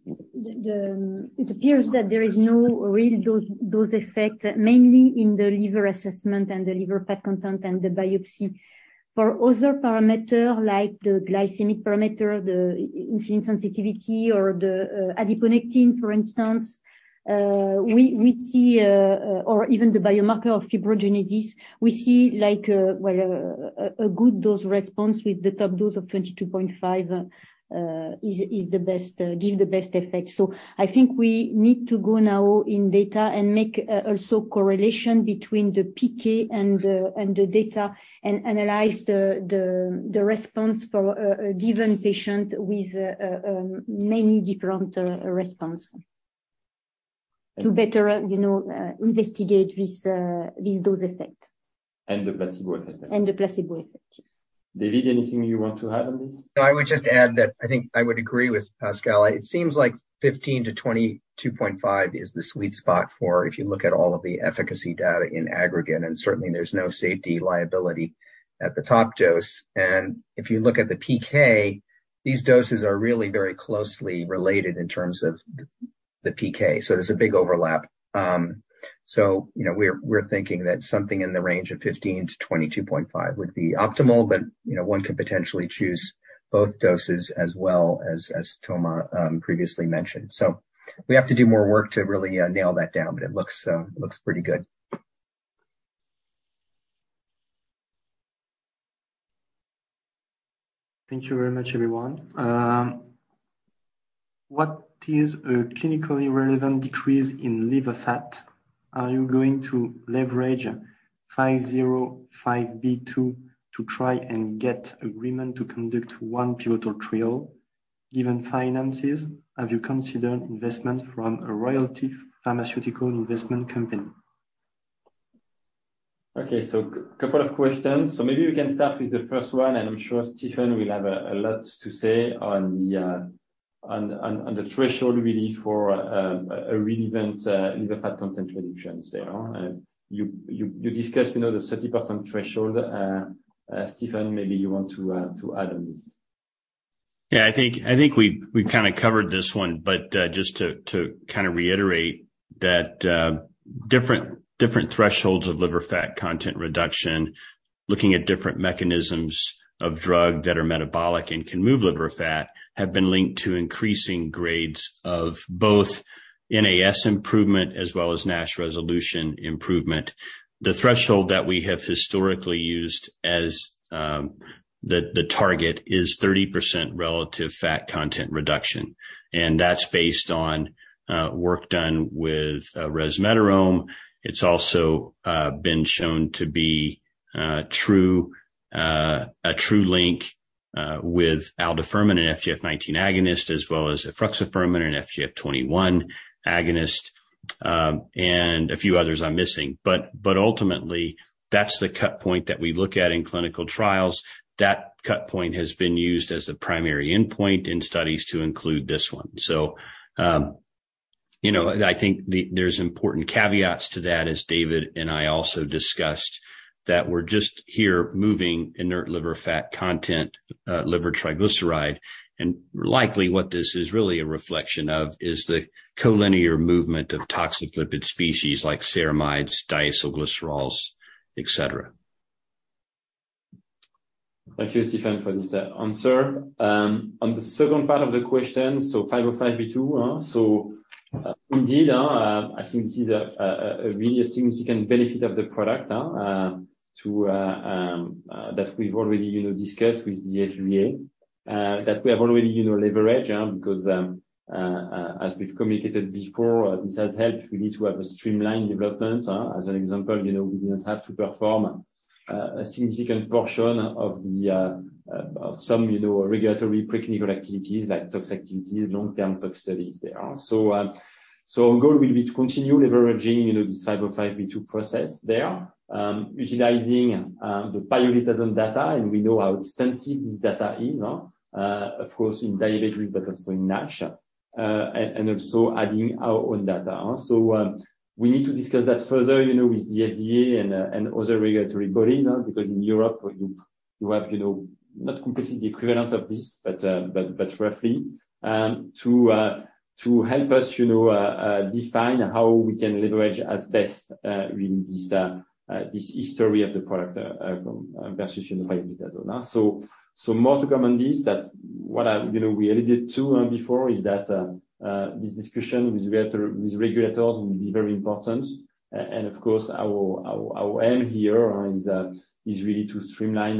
It appears that there is no real dose effect, mainly in the liver assessment and the liver fat content and the biopsy. For other parameter like the glycemic parameter, the insulin sensitivity or the, adiponectin, for instance, we see. Or even the biomarker of fibrogenesis. We see like, well, a good dose response with the top dose of 22.5 mg is the best, give the best effect. I think we need to go now in data and make also correlation between the PK and the data and analyze the response for a given patient with many different response. To better, you know, investigate this dose effect. The placebo effect. The placebo effect. David, anything you want to add on this? No, I would just add that I think I would agree with Pascale. It seems like 15 mg-22.5 mg is the sweet spot for if you look at all of the efficacy data in aggregate, and certainly there's no safety liability at the top dose. If you look at the PK, these doses are really very closely related in terms of the PK. There's a big overlap. You know, we're thinking that something in the range of 15 mg -22.5 mg would be optimal, but, you know, one could potentially choose both doses as well as Thomas previously mentioned. We have to do more work to really nail that down, but it looks pretty good. Thank you very much, everyone. What is a clinically relevant decrease in liver fat? Are you going to leverage 505(b)(2) to try and get agreement to conduct one pivotal trial? Given finances, have you considered investment from a royalty pharmaceutical investment company? Okay. Couple of questions. Maybe we can start with the first one, and I'm sure Stephen will have a lot to say on the threshold really for a relevant liver fat content reductions there. You discussed, you know, the 30% threshold. Stephen, maybe you want to add on this. Yeah, I think we've kind of covered this one, but just to kind of reiterate that different thresholds of liver fat content reduction, looking at different mechanisms of drug that are metabolic and can move liver fat have been linked to increasing grades of both NAS improvement as well as NASH resolution improvement. The threshold that we have historically used as the target is 30% relative fat content reduction. That's based on work done with resmetirom. It's also been shown to be a true link with aldafermin and FGF19 agonist, as well as efruxifermin and FGF21 agonist, and a few others I'm missing. Ultimately, that's the cut point that we look at in clinical trials. That cut point has been used as a primary endpoint in studies to include this one. You know, I think there's important caveats to that, as David and I also discussed, that we're just here moving inert liver fat content, liver triglyceride. Likely what this is really a reflection of is the collinear movement of toxic lipid species like ceramides, diacylglycerols, et cetera. Thank you, Stephen, for this answer. On the second part of the question, 505(b)(2), indeed, I think this is a really significant benefit of the product to that we've already, you know, discussed with the FDA. That we have already, you know, leveraged, because as we've communicated before, this has helped. We need to have a streamlined development, as an example, you know, we didn't have to perform a significant portion of some, you know, regulatory preclinical activities like tox activity, long-term tox studies there. Our goal will be to continue leveraging, you know, this 505(b)(2) process there, utilizing the pioglitazone data, and we know how extensive this data is, of course in diabetes, but also in NASH, and also adding our own data. We need to discuss that further, you know, with the FDA and other regulatory bodies, because in Europe you have, you know, not completely the equivalent of this, but roughly to help us, you know, define how we can leverage as best really this history of the product versus the pioglitazone. More to come on this. That's what, you know, we alluded to before is that this discussion with regulators will be very important. Of course, our aim here is really to streamline,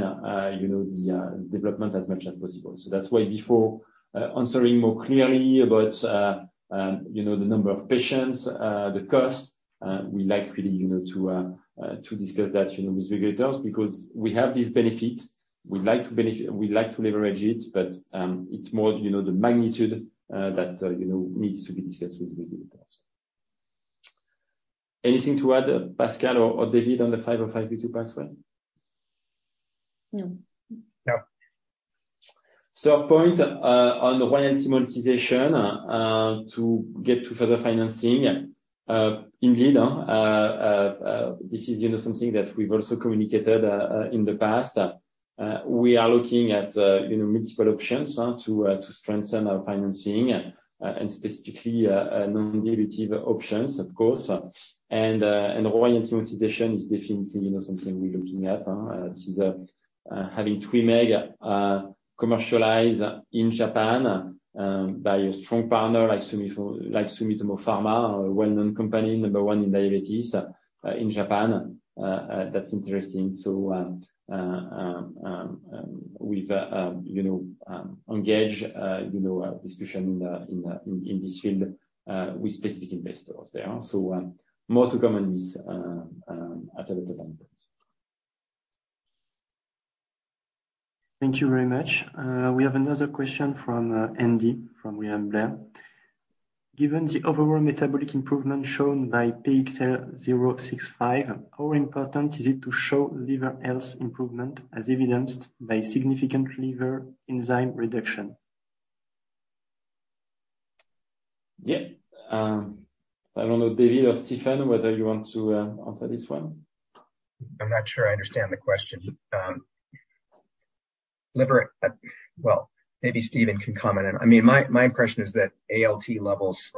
you know, the development as much as possible. That's why before answering more clearly about, you know, the number of patients, the cost, we like really, you know, to discuss that, you know, with regulators because we have this benefit. We'd like to leverage it, but it's more, you know, the magnitude that, you know, needs to be discussed with the regulators. Anything to add, Pascal or David on the 505(b)(2) pathway? No. No. Our point on the royalty monetization to get to further financing. Indeed, this is you know something that we've also communicated in the past. We are looking at you know multiple options to strengthen our financing and specifically non-dilutive options of course. Royalty monetization is definitely you know something we're looking at. This is having TWYMEEG commercialized in Japan by a strong partner like Sumitomo Pharma, a well-known company, number one in diabetes in Japan. That's interesting. We've you know engaged in a discussion in this field with specific investors there. More to come on this at a later point. Thank you very much. We have another question from Andy, from William Blair. Given the overall metabolic improvement shown by PXL065, how important is it to show liver health improvement as evidenced by significant liver enzyme reduction? Yeah. I don't know, David or Stephen, whether you want to answer this one. I'm not sure I understand the question. Well, maybe Stephen can comment. I mean, my impression is that ALT levels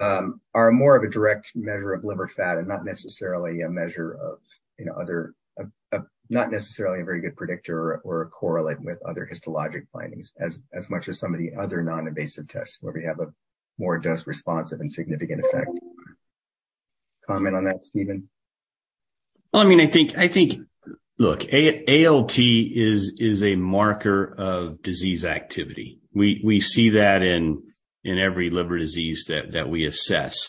are more of a direct measure of liver fat and not necessarily a measure of, you know, other not necessarily a very good predictor or a correlate with other histologic findings as much as some of the other non-invasive tests where we have a more dose responsive and significant effect. Comment on that, Stephen? I mean, I think, look, ALT is a marker of disease activity. We see that in every liver disease that we assess.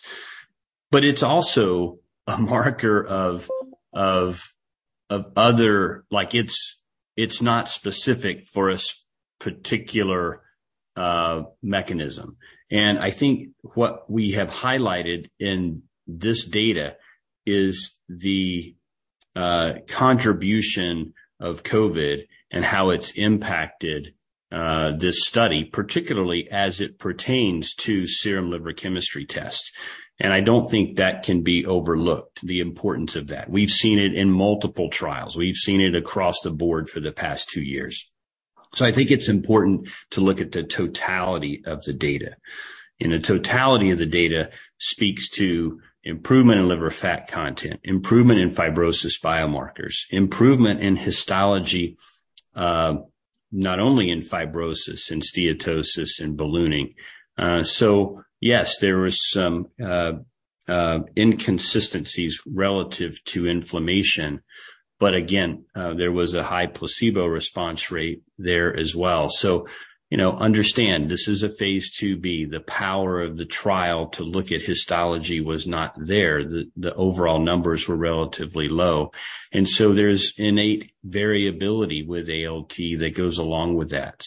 It's also a marker of other. Like, it's not specific for a particular mechanism. I think what we have highlighted in this data is the contribution of COVID and how it's impacted this study, particularly as it pertains to serum liver chemistry tests. I don't think that can be overlooked, the importance of that. We've seen it in multiple trials. We've seen it across the board for the past two years. I think it's important to look at the totality of the data. The totality of the data speaks to improvement in liver fat content, improvement in fibrosis biomarkers, improvement in histology, not only in fibrosis and steatosis and ballooning. Yes, there was some inconsistencies relative to inflammation, but again, there was a high placebo response rate there as well. You know, understand this is a phase IIB. The power of the trial to look at histology was not there. The overall numbers were relatively low, and so there's innate variability with ALT that goes along with that.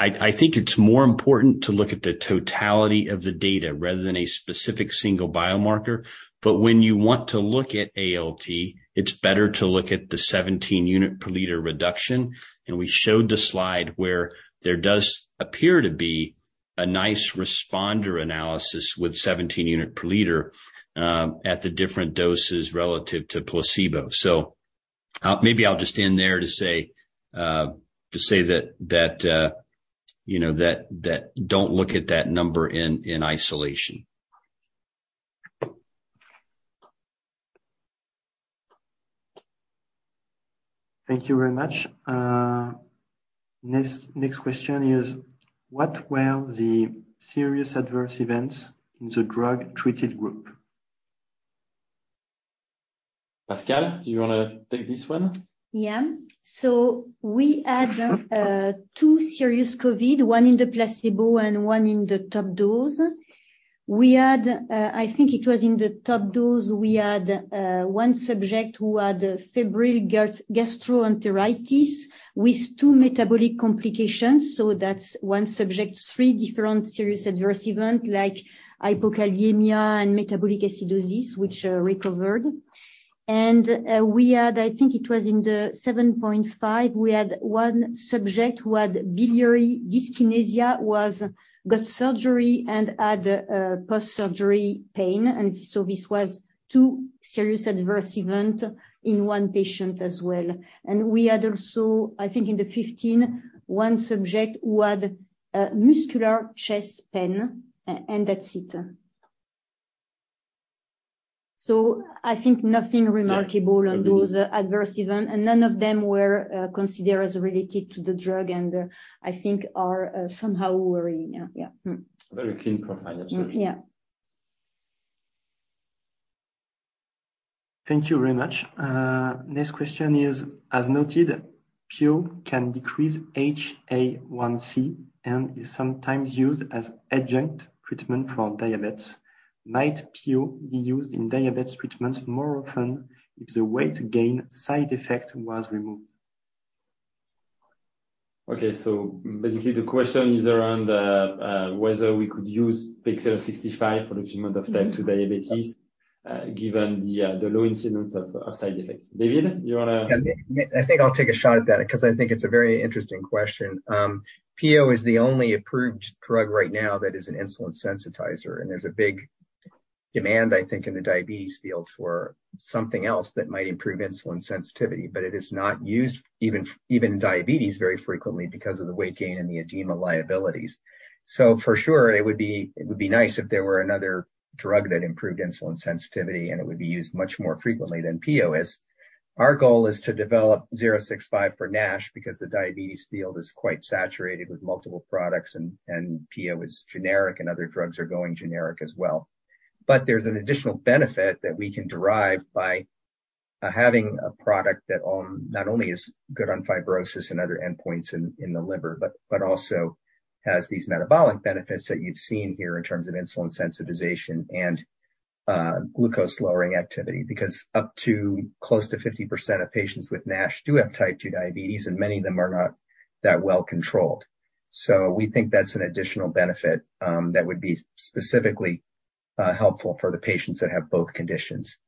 I think it's more important to look at the totality of the data rather than a specific single biomarker. But when you want to look at ALT, it's better to look at the 17 unit per liter reduction. We showed the slide where there does appear to be a nice responder analysis with 17 units per liter at the different doses relative to placebo. Maybe I'll just end there to say that you know that don't look at that number in isolation. Thank you very much. Next question is, what were the serious adverse events in the drug-treated group? Pascale, do you wanna take this one? Yeah. We had two serious COVID, one in the placebo and one in the top dose. We had, I think it was in the top dose, we had one subject who had febrile gastroenteritis with two metabolic complications. That's one subject, three different serious adverse event like hypokalemia and metabolic acidosis, which recovered. We had, I think it was in the 7.5, we had one subject who had biliary dyskinesia, got surgery and had post-surgery pain. This was two serious adverse event in one patient as well. We had also, I think in the 15, one subject who had muscular chest pain, and that's it. I think nothing remarkable. Yeah. On those adverse events and none of them were considered related to the drug and I think they are not somehow worrying. Yeah, yeah. Mm-hmm. Very clean profile, absolutely. Yeah. Thank you very much. Next question is, as noted, pio can decrease A1C and is sometimes used as adjunct treatment for diabetes. Might pio be used in diabetes treatment more often if the weight gain side effect was removed? Okay. Basically the question is around whether we could use PXL065 for the treatment of type 2 diabetes, given the low incidence of side effects. David, you wanna- Yeah. I think I'll take a shot at that 'cause I think it's a very interesting question. Pio is the only approved drug right now that is an insulin sensitizer, and there's a big demand, I think, in the diabetes field for something else that might improve insulin sensitivity. It is not used even in diabetes very frequently because of the weight gain and the edema liabilities. For sure it would be nice if there were another drug that improved insulin sensitivity, and it would be used much more frequently than pio is. Our goal is to develop PXL065 for NASH because the diabetes field is quite saturated with multiple products and pio is generic, and other drugs are going generic as well. There's an additional benefit that we can derive by having a product that not only is good on fibrosis and other endpoints in the liver, but also has these metabolic benefits that you've seen here in terms of insulin sensitization and glucose-lowering activity. Because up to close to 50% of patients with NASH do have type 2 diabetes, and many of them are not that well controlled. We think that's an additional benefit that would be specifically helpful for the patients that have both conditions.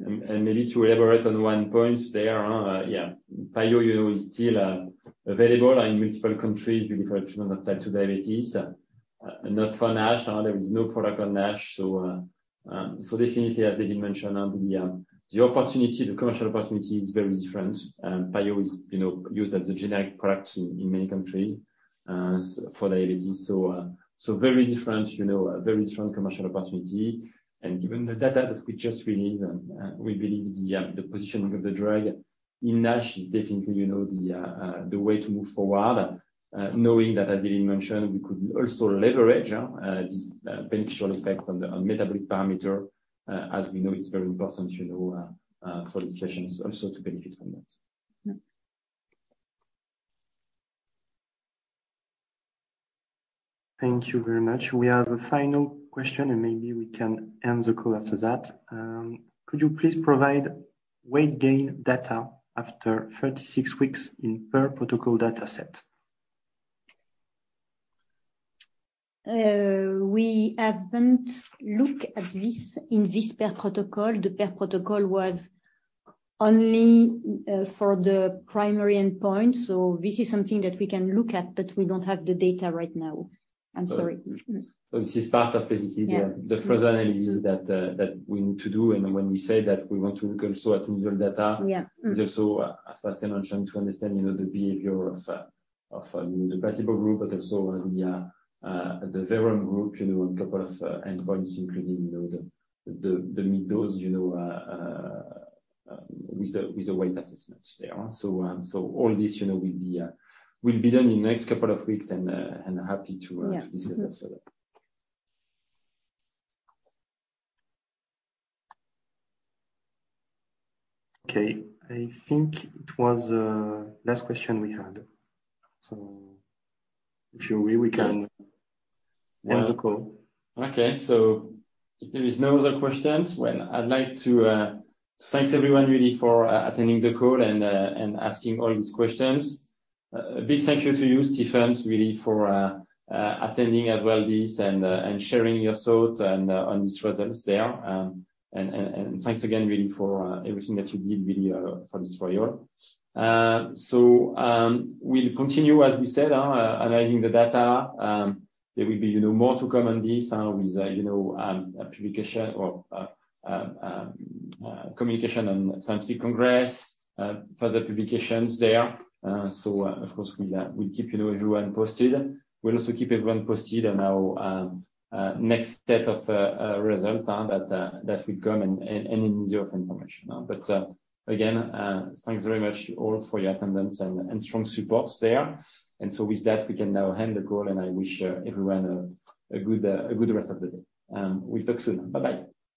Maybe to elaborate on one point there, yeah. pio, you know, is still available in multiple countries for the treatment of type 2 diabetes. Not for NASH. There is no product on NASH. Definitely as David mentioned on the opportunity, the commercial opportunity is very different. Pio is, you know, used as a generic product in many countries for diabetes. Very different, you know, very strong commercial opportunity. Given the data that we just released, we believe the positioning of the drug in NASH is definitely, you know, the way to move forward. Knowing that, as David mentioned, we could also leverage this beneficial effect on metabolic parameter, as we know it's very important, you know, for these patients also to benefit from that. Yeah. Thank you very much. We have a final question, and maybe we can end the call after that. Could you please provide weight gain data after 36 weeks in per protocol data set? We haven't looked at this in this per protocol. The per protocol was only for the primary endpoint, so this is something that we can look at, but we don't have the data right now. I'm sorry. This is part of basically. Yeah. the further analysis that we need to do. When we say that we want to look also at individual data Yeah. Mm-hmm. is also, as Pascale mentioned, to understand, you know, the behavior of the placebo group, but also the verum group, you know, on a couple of endpoints, including, you know, the mid-dose, you know, with the weight assessment there. All this, you know, will be done in the next couple of weeks and happy to Yeah. to discuss that further. Okay. I think it was the last question we had. If you're ready, we can end the call. Okay. If there is no other questions, well, I'd like to thanks everyone really for attending the call and asking all these questions. A big thank you to you, Stephen, really for attending as well this and sharing your thoughts and on these results there. Thanks again, really for everything that you did really for this trial. We'll continue, as we said, analyzing the data. There will be, you know, more to come on this, with, you know, a publication or communication on scientific congress, further publications there. Of course, we'll keep, you know, everyone posted. We'll also keep everyone posted on our next set of results that will come and in the year of information. Again, thanks very much all for your attendance and strong support there. With that, we can now end the call, and I wish everyone a good rest of the day. We'll talk soon. Bye-bye.